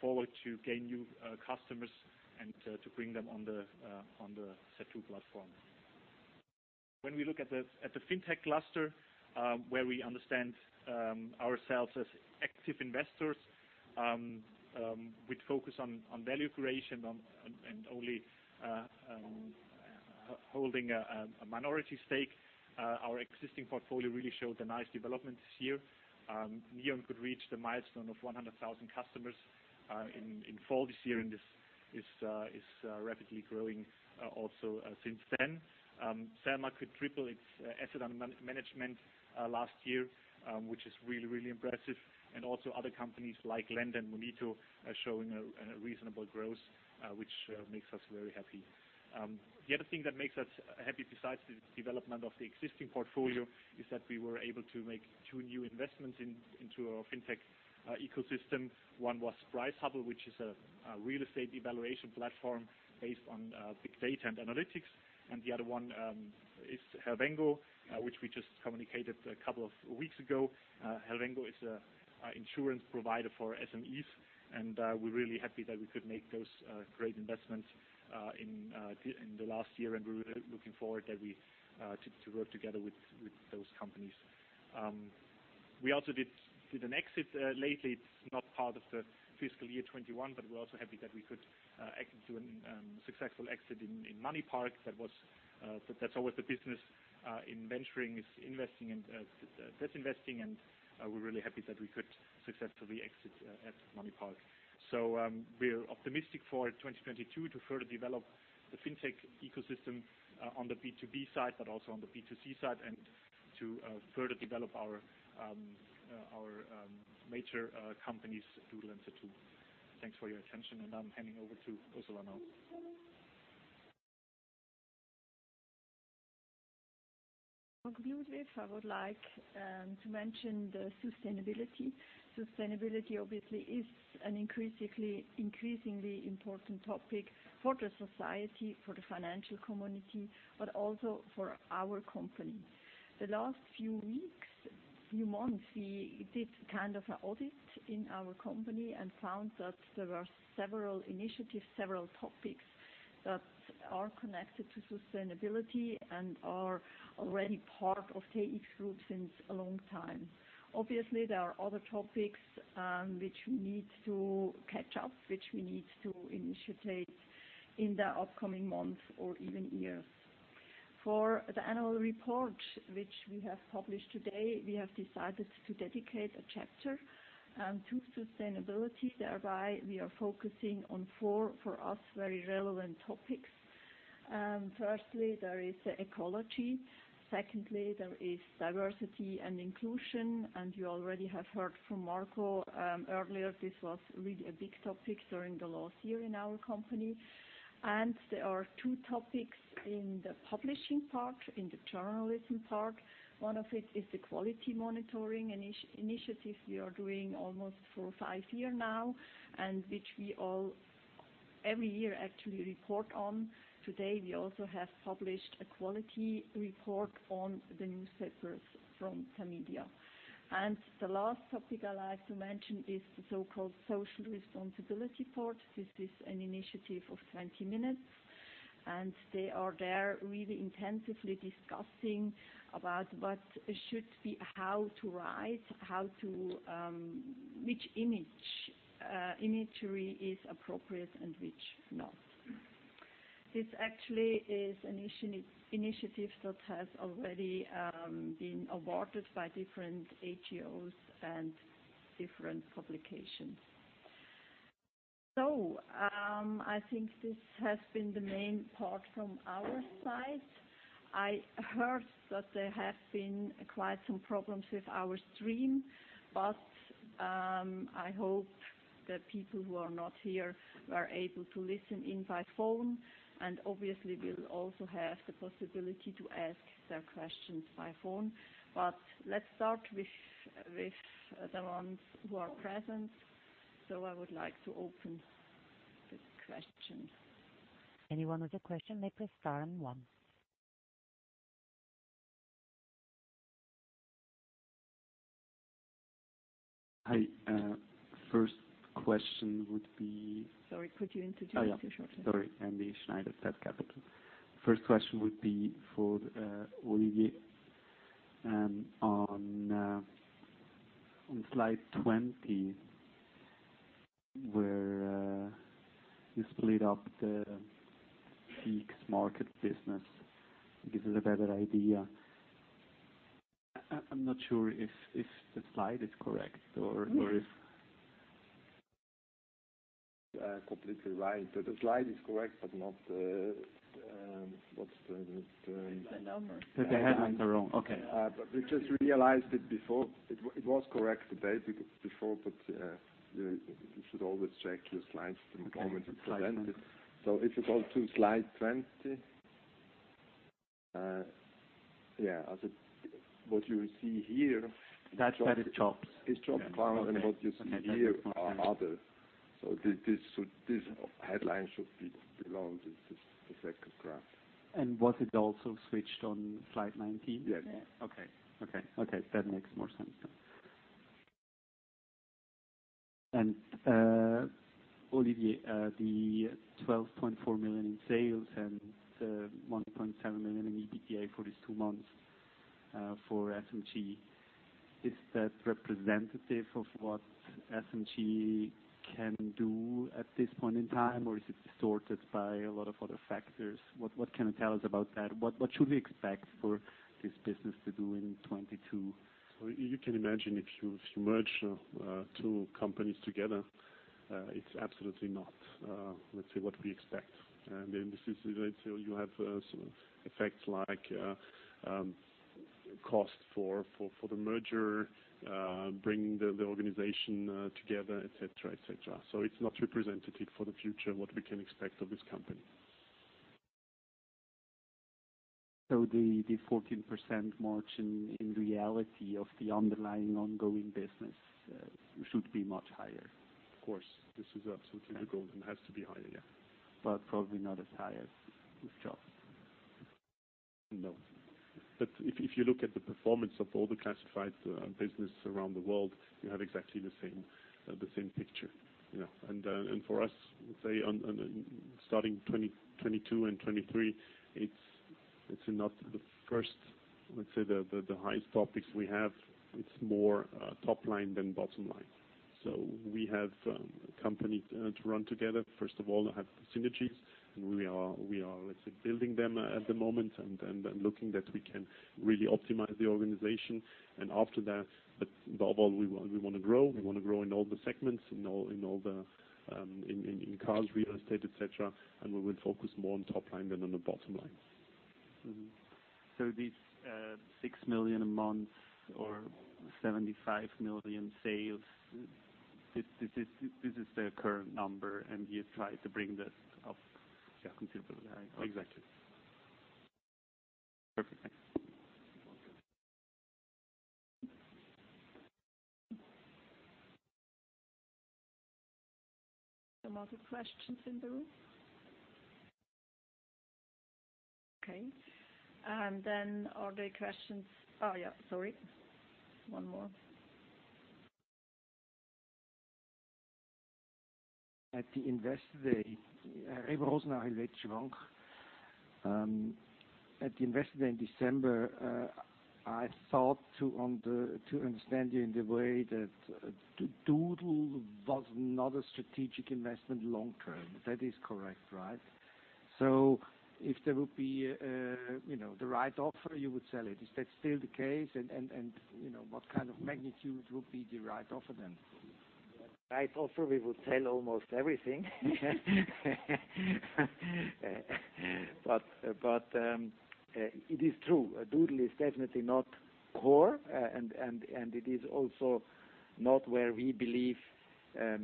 forward to gain new customers and to bring them on the Zattoo platform. When we look at the FinTech cluster, where we understand ourselves as active investors with focus on value creation and only holding a minority stake, our existing portfolio really showed a nice development this year. Neon could reach the milestone of 100,000 customers in fall this year, and this is rapidly growing also since then. Selma could triple its asset management last year, which is really impressive. Also other companies like LEND and Monito are showing a reasonable growth, which makes us very happy. The other thing that makes us happy besides the development of the existing portfolio is that we were able to make two new investments into our FinTech ecosystem. One was PriceHubble, which is a real estate evaluation platform based on big data and analytics. The other one is Helvengo, which we just communicated a couple of weeks ago. Helvengo is an insurance provider for SMEs, and we're really happy that we could make those great investments in the last year, and we're really looking forward to work together with those companies. We also did an exit lately. It's not part of the fiscal year 2021, but we're also happy that we could exit to a successful exit in MoneyPark. That's always the business in venturing is investing and disinvesting, and we're really happy that we could successfully exit at MoneyPark. We're optimistic for 2022 to further develop the FinTech ecosystem on the B2B side, but also on the B2C side and to further develop our major companies, Doodle and Zattoo. Thanks for your attention, and I'm handing over to Ursula now. Conclusively, I would like to mention the sustainability. Sustainability obviously is an increasingly important topic for the society, for the financial community, but also for our company. The last few weeks, months, we did kind of an audit in our company and found that there are several initiatives, several topics that are connected to sustainability and are already part of TX Group since a long time. Obviously, there are other topics, which we need to catch up, which we need to initiate in the upcoming months or even years. For the annual report, which we have published today, we have decided to dedicate a chapter to sustainability. Thereby, we are focusing on four, for us, very relevant topics. Firstly, there is ecology. Secondly, there is diversity and inclusion, and you already have heard from Marco earlier. This was really a big topic during the last year in our company. There are two topics in the publishing part, in the journalism part. One of it is the quality monitoring initiative we are doing almost for five years now, and which we every year actually report on. Today, we also have published a quality report on the newspapers from Tamedia. The last topic I'd like to mention is the so-called social responsibility part. This is an initiative of 20 Minuten, and they are there really intensively discussing about what should be, how to write, how to, which image, imagery is appropriate and which not. This actually is an initiative that has already been awarded by different HOs and different publications. I think this has been the main part from our side. I heard that there have been quite some problems with our stream, but I hope the people who are not here are able to listen in by phone, and obviously will also have the possibility to ask their questions by phone. But let's start with the ones who are present. I would like to open the questions. Anyone with a question may press star and one. Hi. First question would be Sorry, could you introduce yourself? Andy Schneider, Third Capital. First question would be for Olivier. On slide 20, where you split up the TX Markets business. It gives us a better idea. I'm not sure if the slide is correct or if. Completely right. The slide is correct, but not the, what's the. The numbers. The headline is wrong. Okay. We just realized it before. It was correct today, before, but you should always check your slides the moment you present it. If you go to slide 20. What you see here. That's where it chops. It chops down, and what you see here are other. This headline should be below this, the second graph. Was it also switched on slide 19? Yes. Yeah. Okay, that makes more sense now. Olivier, the 12.4 million in sales and 1.7 million in EBITDA for these two months for SMG, is that representative of what SMG can do at this point in time, or is it distorted by a lot of other factors? What can you tell us about that? What should we expect for this business to do in 2022? You can imagine if you merge two companies together, it's absolutely not, let's say, what we expect. This is also you have some effects like cost for the merger, bringing the organization together, et cetera, et cetera. It's not representative for the future, what we can expect of this company. The 14% margin in reality of the underlying ongoing business should be much higher. Of course. This is absolutely the goal and has to be higher, yeah. Probably not as high as with jobs.ch. No. If you look at the performance of all the classified business around the world, you have exactly the same picture. You know, for us, let's say on starting 2022 and 2023, it's not the first, let's say, the highest topics we have. It's more top line than bottom line. We have a company to run together. First of all, have synergies, and we are building them at the moment and looking that we can really optimize the organization. After that, above all, we wanna grow. We wanna grow in all the segments, in all the cars, real estate, et cetera. We will focus more on top line than on the bottom line. These 6 million a month or 75 million sales, this is the current number, and you try to bring that up considerably high. Exactly. Perfect, thanks. Some other questions in the room? Okay. Are there questions? Oh, yeah, sorry. One more. At the Investor Day. Ray Rosen with Schwank. At the Investor Day in December, I thought to understand you in the way that Doodle was not a strategic investment long term. That is correct, right? So if there would be you know, the right offer, you would sell it. Is that still the case? You know, what kind of magnitude would be the right offer then? Right offer, we would sell almost everything. It is true. Doodle is definitely not core. It is also not where we believe to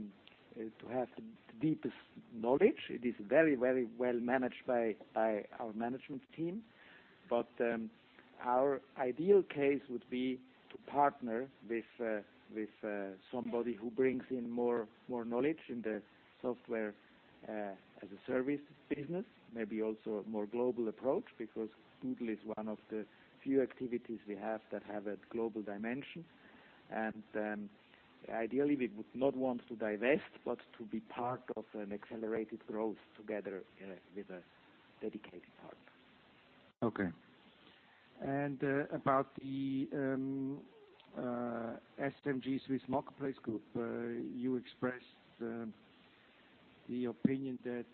have the deepest knowledge. It is very well managed by our management team. Our ideal case would be to partner with somebody who brings in more knowledge in the software as a service business. Maybe also a more global approach, because Doodle is one of the few activities we have that have a global dimension. Ideally, we would not want to divest, but to be part of an accelerated growth together with a dedicated partner. Okay. About the SMG Swiss Marketplace Group, you expressed the opinion that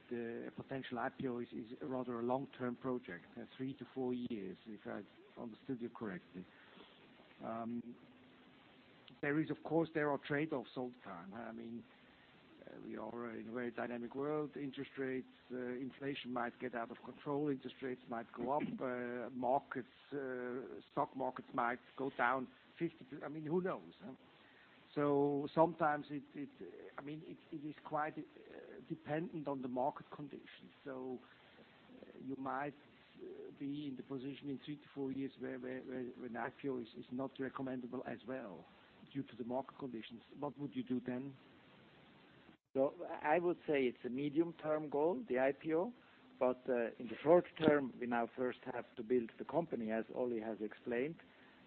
a potential IPO is rather a long-term project, three-four years, if I understood you correctly. There are trade-offs all the time. I mean, we are in a very dynamic world. Interest rates, inflation might get out of control. Interest rates might go up. Markets, stock markets might go down 50%. I mean, who knows, huh? Sometimes it is quite dependent on the market conditions. I mean, you might be in the position in three-four years where an IPO is not recommendable as well due to the market conditions. What would you do then? I would say it's a medium-term goal, the IPO. In the short term, we now first have to build the company, as Oli has explained.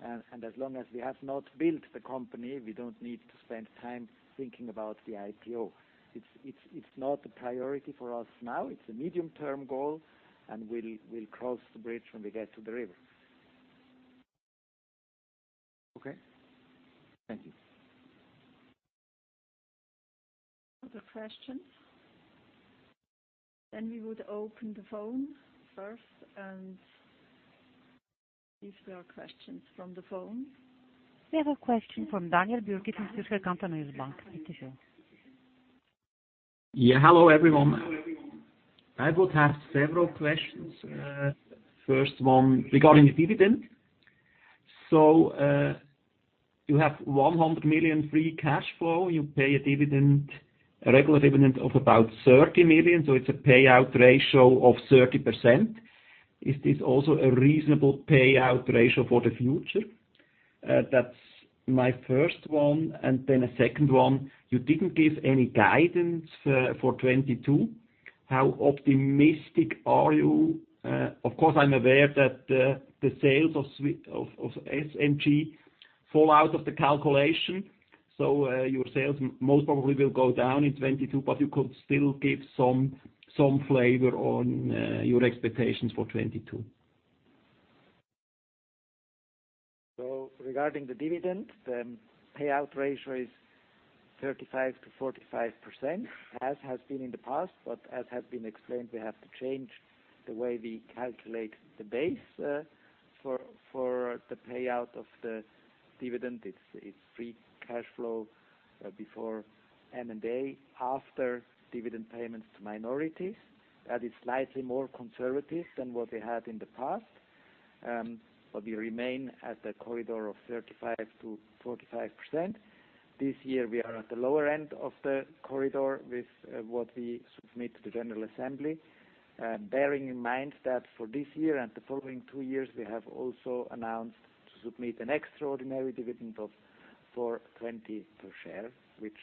As long as we have not built the company, we don't need to spend time thinking about the IPO. It's not a priority for us now. It's a medium-term goal, and we'll cross the bridge when we get to the river. Okay. Thank you. Other questions? We would open the phone first and if there are questions from the phone. We have a question from Daniel Bürki from Zürcher Kantonalbank. Please go. Hello, everyone. I would have several questions. First one regarding the dividend. You have 100 million free cash flow. You pay a dividend, a regular dividend of about 30 million, so it's a payout ratio of 30%. Is this also a reasonable payout ratio for the future? That's my first one. Then a second one, you didn't give any guidance for 2022. How optimistic are you? Of course, I'm aware that the sales of SMG fall out of the calculation, so your sales most probably will go down in 2022, but you could still give some flavor on your expectations for 2022. Regarding the dividend, payout ratio is 35%-45%, as has been in the past, but as has been explained, we have to change the way we calculate the base for the payout of the dividend. It's free cash flow before M&A, after dividend payments to minorities. That is slightly more conservative than what we had in the past. We remain at the corridor of 35%-45%. This year we are at the lower end of the corridor with what we submit to the general assembly. Bearing in mind that for this year and the following two years, we have also announced to submit an extraordinary dividend of 4.20 per share, which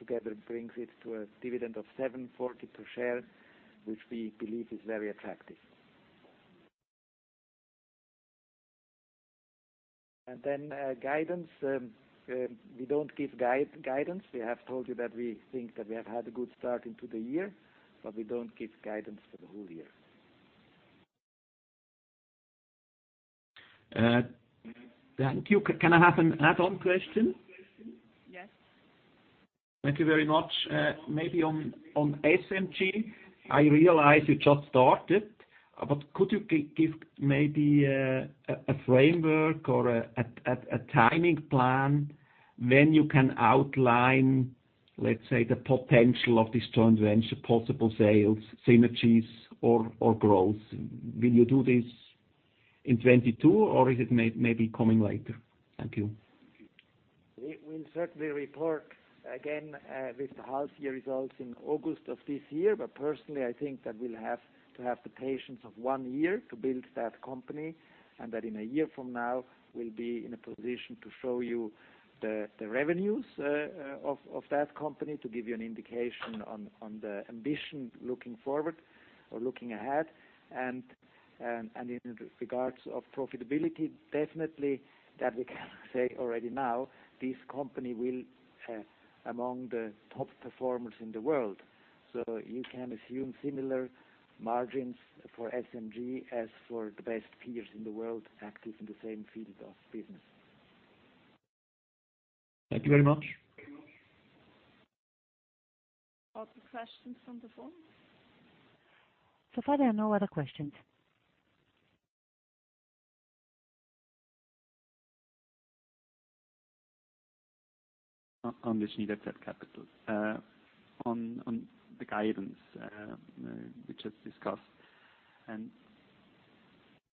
together brings it to a dividend of 7.40 per share, which we believe is very attractive. Guidance, we don't give guidance. We have told you that we think that we have had a good start into the year, but we don't give guidance for the whole year. Thank you. Can I have an add-on question? Yes. Thank you very much. Maybe on SMG, I realize you just started, but could you give maybe a timing plan when you can outline, let's say, the potential of this joint venture, possible sales, synergies or growth? Will you do this in 2022, or is it maybe coming later? Thank you. We will certainly report again with the half year results in August of this year. Personally, I think that we'll have to have the patience of one year to build that company, and that in a year from now we'll be in a position to show you the revenues of that company to give you an indication on the ambition looking forward or looking ahead. In regards of profitability, definitely that we can say already now this company will among the top performers in the world. You can assume similar margins for SMG as for the best peers in the world active in the same field of business. Thank you very much. Other questions from the phone? So far, there are no other questions. On the net debt capital. On the guidance we just discussed.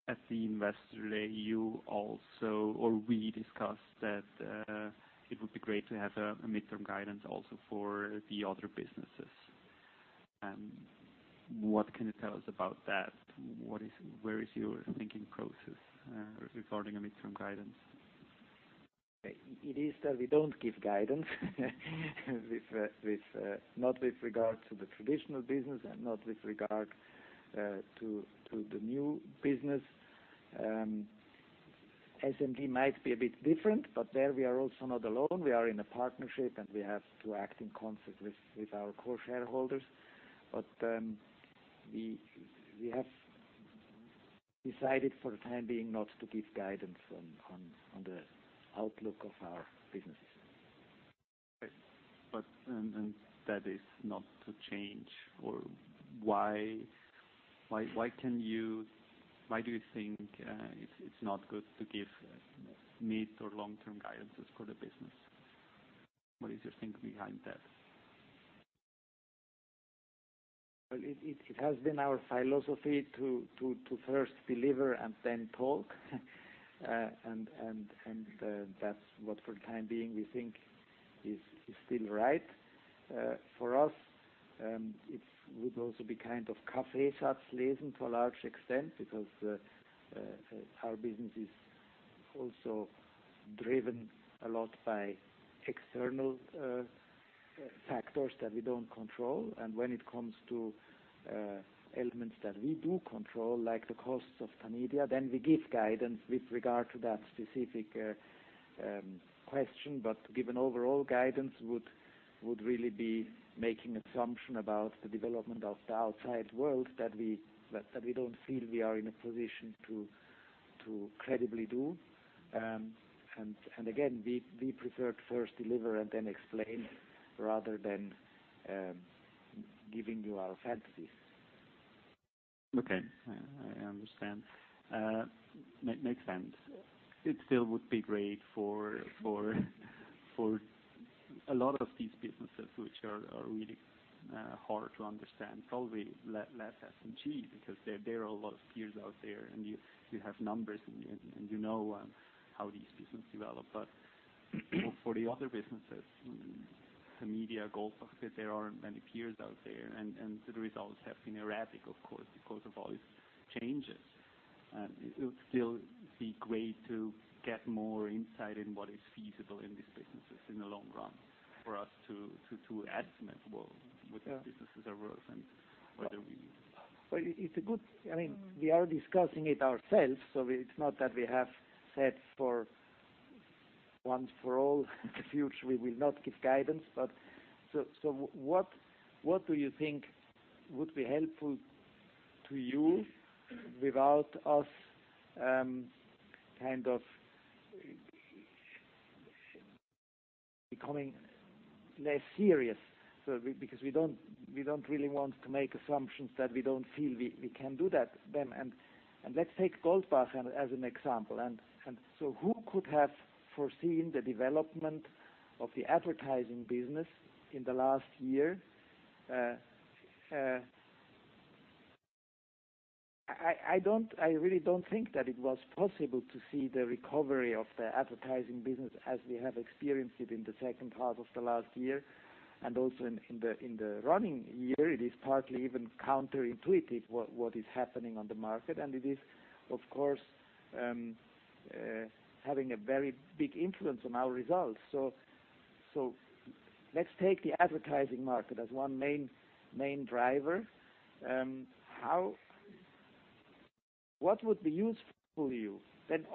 At the Investor Day, you also or we discussed that it would be great to have a medium-term guidance also for the other businesses. What can you tell us about that? Where is your thinking process regarding a medium-term guidance? It is that we don't give guidance not with regard to the traditional business and not with regard to the new business. SMG might be a bit different, but there we are also not alone. We are in a partnership, and we have to act in concert with our core shareholders. We have decided for the time being not to give guidance on the outlook of our businesses. Why do you think it's not good to give mid or long-term guidances for the business? What is your thinking behind that? Well, it has been our philosophy to first deliver and then talk. That's what for the time being we think is still right. For us, it would also be kind of Kaffeesatzlesen [German] to a large extent because our business is also driven a lot by external factors that we don't control. When it comes to elements that we do control, like the costs of Tamedia, then we give guidance with regard to that specific question. To give an overall guidance would really be making assumption about the development of the outside world that we don't feel we are in a position to credibly do. Again, we prefer to first deliver and then explain rather than giving you our fantasies. Okay. I understand. Makes sense. It still would be great for a lot of these businesses which are really hard to understand. Probably less SMG because there are a lot of peers out there, and you have numbers and you know how these businesses develop. For the other businesses, Tamedia, Goldbach, there aren't many peers out there. The results have been erratic, of course, because of all these changes. It would still be great to get more insight into what is feasible in these businesses in the long run for us to estimate, well, what the businesses are worth and whether we- I mean, we are discussing it ourselves, so it's not that we have said once and for all in the future we will not give guidance. So what do you think would be helpful to you without us kind of becoming less serious? Because we don't really want to make assumptions that we don't feel we can do that then. Let's take Goldbach as an example. Who could have foreseen the development of the advertising business in the last year? I really don't think that it was possible to see the recovery of the advertising business as we have experienced it in the second half of the last year, and also in the running year. It is partly even counterintuitive what is happening on the market, and it is, of course, having a very big influence on our results. Let's take the advertising market as one main driver. What would be useful to you?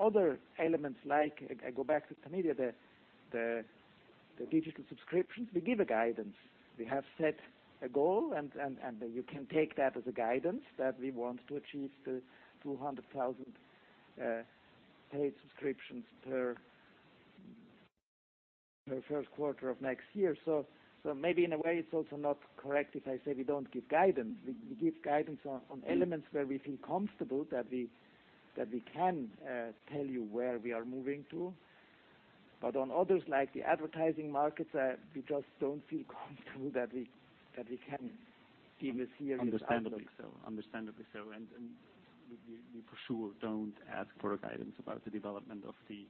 Other elements like, I go back to Tamedia, the digital subscriptions. We give a guidance. We have set a goal and you can take that as a guidance that we want to achieve 200,000 paid subscriptions per first quarter of next year. Maybe in a way, it's also not correct if I say we don't give guidance. We give guidance on elements where we feel comfortable that we can tell you where we are moving to. On others, like the advertising markets, we just don't feel comfortable that we can give a serious outlook. Understandably so. We for sure don't ask for guidance about the development of the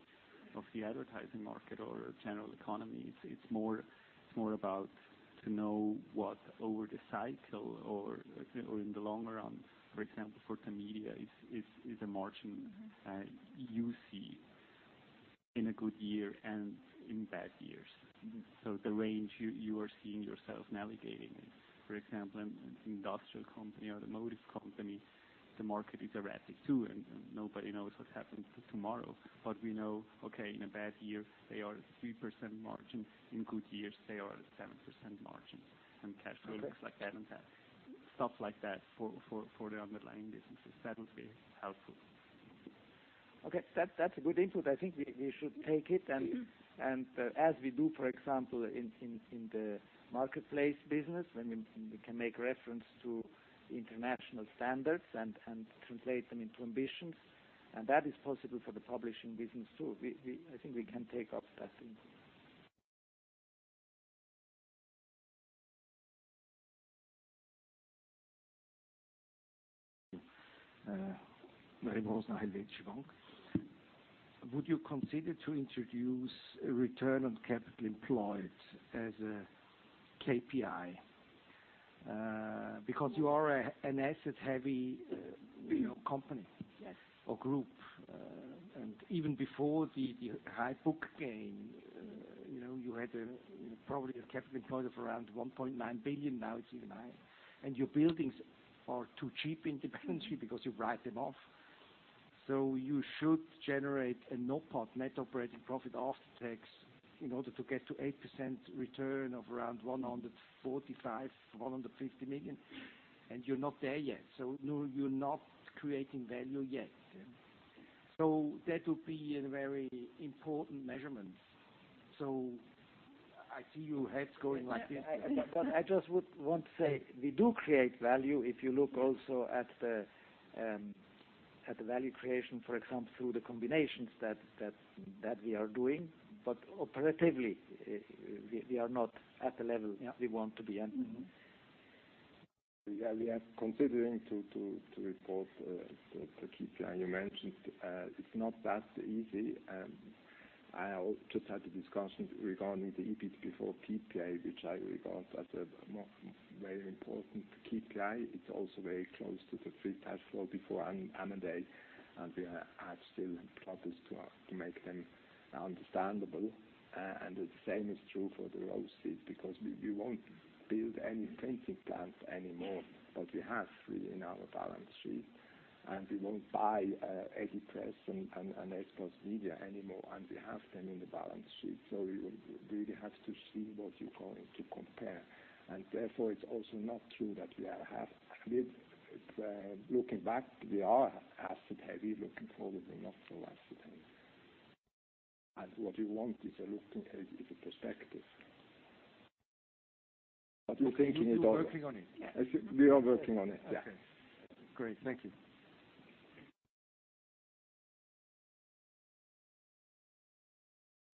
advertising market or general economy. It's more about to know what over the cycle in the long run, for example, for Tamedia is a margin you see in a good year and in bad years, the range you are seeing yourself navigating. For example, industrial company or automotive company, the market is erratic too, and nobody knows what happens tomorrow. We know. Okay. In a bad year they are at 3% margin. In good years, they are at 7% margins. Cash flows. Okay. Like that and stuff like that for the underlying businesses. That would be helpful. Okay. That's a good input. I think we should take it. As we do, for example, in the marketplace business, when we can make reference to the international standards and translate them into ambitions. That is possible for the publishing business, too. I think we can take up that input. Mario Bosanich, Schwank. Would you consider to introduce a return on capital employed as a KPI? Because you are an asset-heavy, you know, company. Yes. Our group. Even before the high book gain, you know, you had probably a capital employed of around 1.9 billion. Now it's even higher. Your buildings are too cheap independently because you write them off. You should generate a NOPAT, net operating profit after tax, in order to get to 8% return of around 145, 150 million, and you're not there yet. No, you're not creating value yet. That would be a very important measurement. I see your heads going like this. I just would want to say we do create value. If you look also at the value creation, for example, through the combinations that we are doing. Operatively, we are not at the level. Yeah. We want to be. Mm-hmm. Yeah, we are considering to report the KPI you mentioned. It's not that easy. I just had a discussion regarding the EBIT before PPA, which I regard as a very important KPI. It's also very close to the free cash flow before M&A, and we still have problems to make them understandable. The same is true for the leases, because we won't build any printing plants anymore, but we have 3 in our balance sheet. We won't buy any press and expos media anymore, and we have them in the balance sheet. You really have to see what you're going to compare. Therefore, it's also not true that we are asset-heavy. Looking back, we are asset-heavy. Looking forward, we're not so asset-heavy. What we want is a looking at the perspective. We're thinking it over. You're working on it? We are working on it, yeah. Okay. Great. Thank you.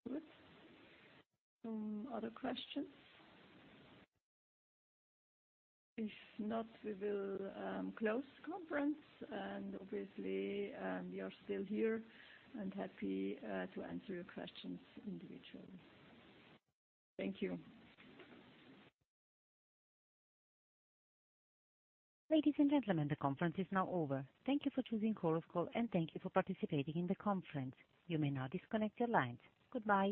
Good. Some other questions? If not, we will close the conference and obviously, we are still here and happy to answer your questions individually. Thank you. Ladies and gentlemen, the conference is now over. Thank you for choosing Chorus Call, and thank you for participating in the conference. You may now disconnect your lines. Goodbye.